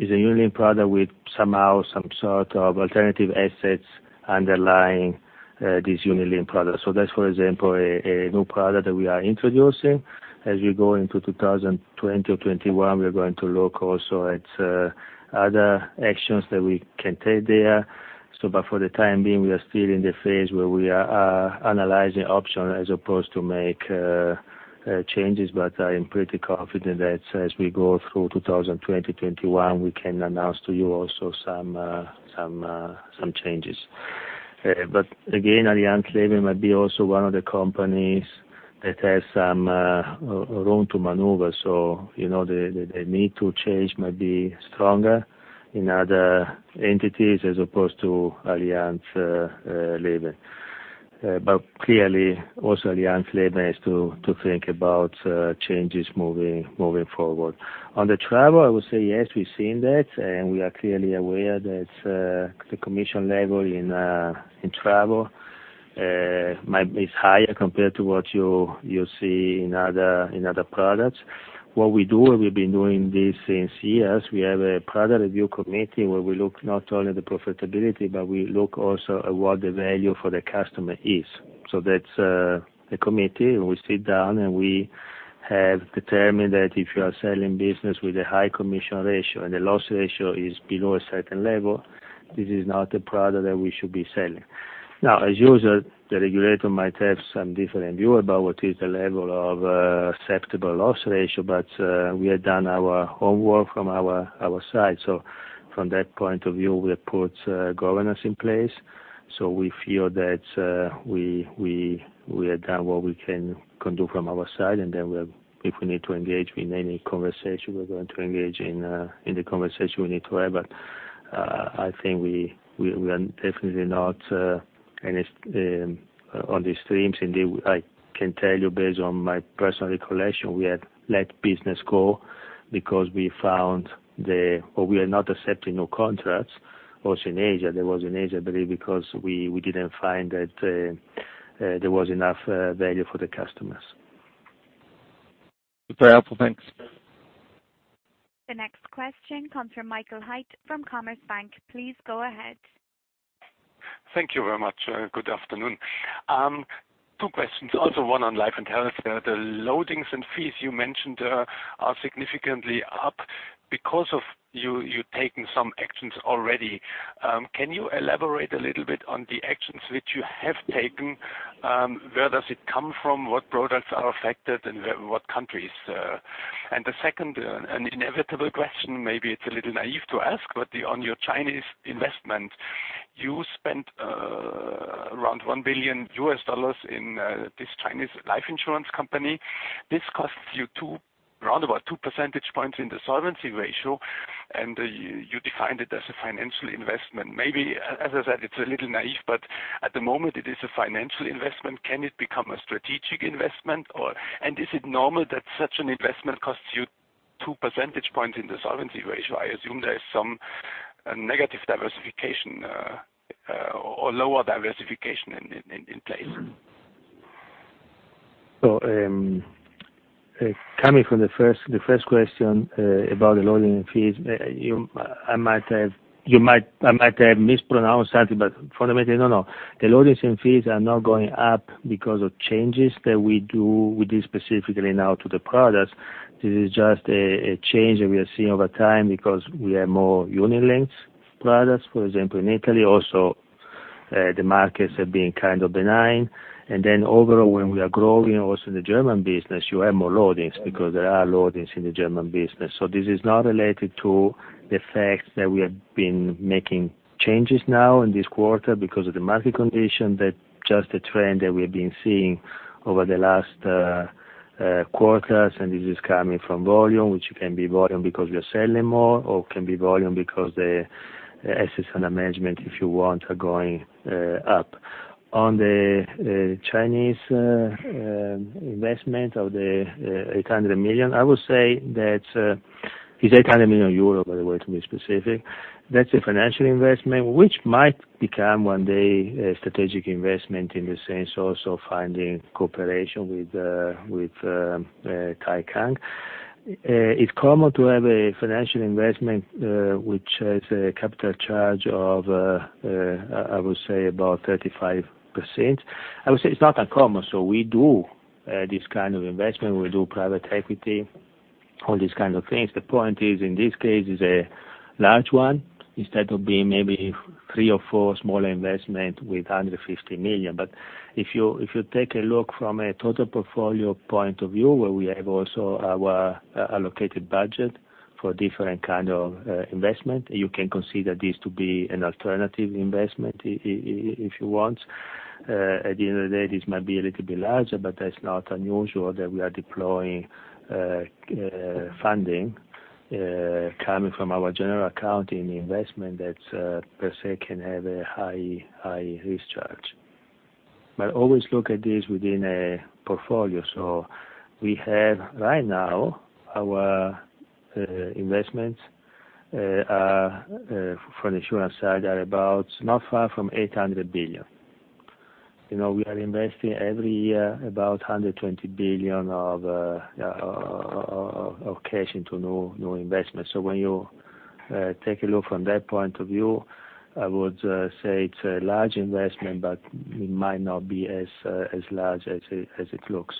unit-linked product with somehow some sort of alternative assets underlying this unit-linked product. That's, for example, a new product that we are introducing. As we go into 2020 or 2021, we are going to look also at other actions that we can take there. For the time being, we are still in the phase where we are analyzing options as opposed to make changes. I am pretty confident that as we go through 2020, 2021, we can announce to you also some changes. Again, Allianz Leben might be also one of the companies that has some room to maneuver. The need to change might be stronger in other entities as opposed to Allianz Leben. Clearly, also Allianz Leben has to think about changes moving forward. On the travel, I would say yes, we've seen that, and we are clearly aware that the commission level in travel is higher compared to what you see in other products. What we do, and we've been doing this since years, we have a product review committee where we look not only the profitability, but we look also at what the value for the customer is. That's a committee, and we sit down, and we have determined that if you are selling business with a high commission ratio and the loss ratio is below a certain level, this is not a product that we should be selling. As usual, the regulator might have some different view about what is the level of acceptable loss ratio, but we have done our homework from our side. From that point of view, we put governance in place. We feel that we have done what we can do from our side, and then if we need to engage in any conversation, we're going to engage in the conversation we need to have. I think we are definitely not on these streams. Indeed, I can tell you based on my personal recollection, we had let business go because we are not accepting new contracts. Also in Asia. That was in Asia, I believe, because we didn't find that there was enough value for the customers. Very helpful. Thanks. The next question comes from Michael Huttner from JPMorgan. Please go ahead. Thank you very much. Good afternoon. Two questions, also one on life and health. The loadings and fees you mentioned are significantly up because of you taking some actions already. Can you elaborate a little bit on the actions which you have taken? Where does it come from? What products are affected, and what countries? The second, an inevitable question, maybe it's a little naive to ask, but on your Chinese investment, you spent around $1 billion US in this Chinese life insurance company. This costs you around about two percentage points in the solvency ratio, and you defined it as a financial investment. Maybe, as I said, it's a little naive, but at the moment it is a financial investment. Can it become a strategic investment, and is it normal that such an investment costs you two percentage points in the solvency ratio? I assume there is some negative diversification or lower diversification in place. Coming from the first question about the loading and fees, I might have mispronounced something, but fundamentally, no. The loadings and fees are not going up because of changes that we do specifically now to the products. This is just a change that we are seeing over time because we have more unit-linked products, for example, in Italy. The markets have been kind of benign. Overall, when we are growing also in the German business, you have more loadings because there are loadings in the German business. This is not related to the fact that we have been making changes now in this quarter because of the market condition. That's just a trend that we've been seeing over the last quarters. This is coming from volume, which can be volume because we are selling more, or can be volume because the assets under management, if you want, are going up. On the Chinese investment of the 800 million, I would say that it's 800 million euro, by the way, to be specific. That's a financial investment, which might become one day a strategic investment in the sense also of finding cooperation with Taikang. It's common to have a financial investment which has a capital charge of, I would say, about 35%. I would say it's not uncommon. We do this kind of investment. We do private equity, all these kinds of things. The point is, in this case, it's a large one, instead of being maybe three or four small investments with 150 million. If you take a look from a total portfolio point of view, where we have also our allocated budget for different kinds of investment, you can consider this to be an alternative investment if you want. At the end of the day, this might be a little bit larger, but that's not unusual that we are deploying funding coming from our general account in investment that per se can have a high risk charge. Always look at this within a portfolio. We have right now our investments for the insurance side are about not far from 800 billion. We are investing every year about 120 billion of cash into new investments. When you take a look from that point of view, I would say it's a large investment, but it might not be as large as it looks.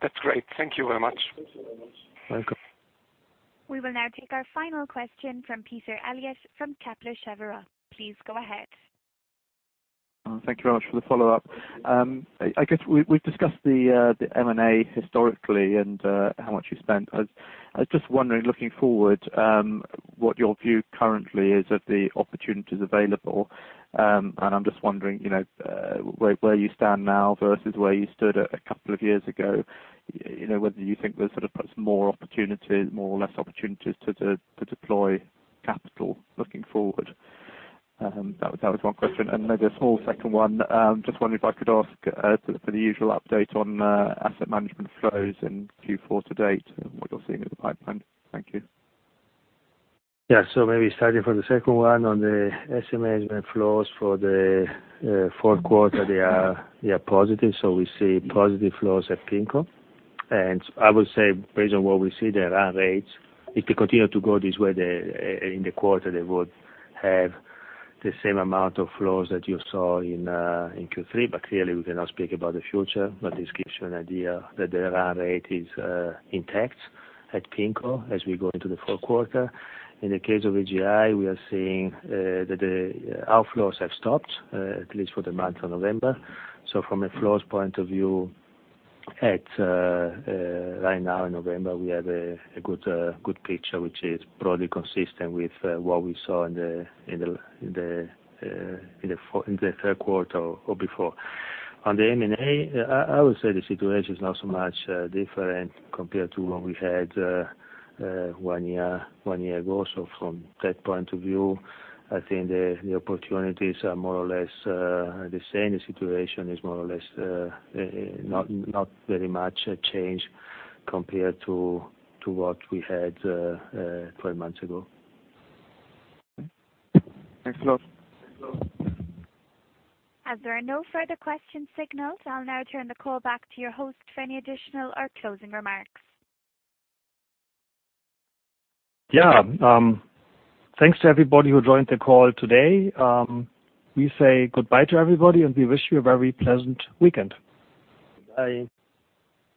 That's great. Thank you very much. Welcome. We will now take our final question from Peter Eliot from Kepler Cheuvreux. Please go ahead. Thank you very much for the follow-up. I guess we've discussed the M&A historically and how much you spent. I was just wondering, looking forward, what your view currently is of the opportunities available. I'm just wondering where you stand now versus where you stood a couple of years ago, whether you think there's perhaps more opportunities, more or less opportunities to deploy capital looking forward. That was one question, and maybe a small second one. Just wondering if I could ask for the usual update on asset management flows in Q4 to date and what you're seeing in the pipeline. Thank you. Maybe starting from the second one on the asset management flows for the fourth quarter, they are positive. I would say based on what we see, the run rates, if they continue to go this way in the quarter, they would have the same amount of flows that you saw in Q3. Clearly, we cannot speak about the future. This gives you an idea that the run rate is intact at PIMCO as we go into the fourth quarter. In the case of AGI, we are seeing that the outflows have stopped, at least for the month of November. From a flows point of view, right now in November, we have a good picture, which is broadly consistent with what we saw in the third quarter or before. On the M&A, I would say the situation is not so much different compared to what we had one year ago. From that point of view, I think the opportunities are more or less the same. The situation is more or less not very much changed compared to what we had 12 months ago. Thanks a lot. As there are no further questions signaled, I'll now turn the call back to your host for any additional or closing remarks. Yeah. Thanks to everybody who joined the call today. We say goodbye to everybody, and we wish you a very pleasant weekend. Bye.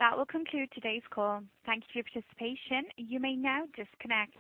That will conclude today's call. Thank you for your participation. You may now disconnect.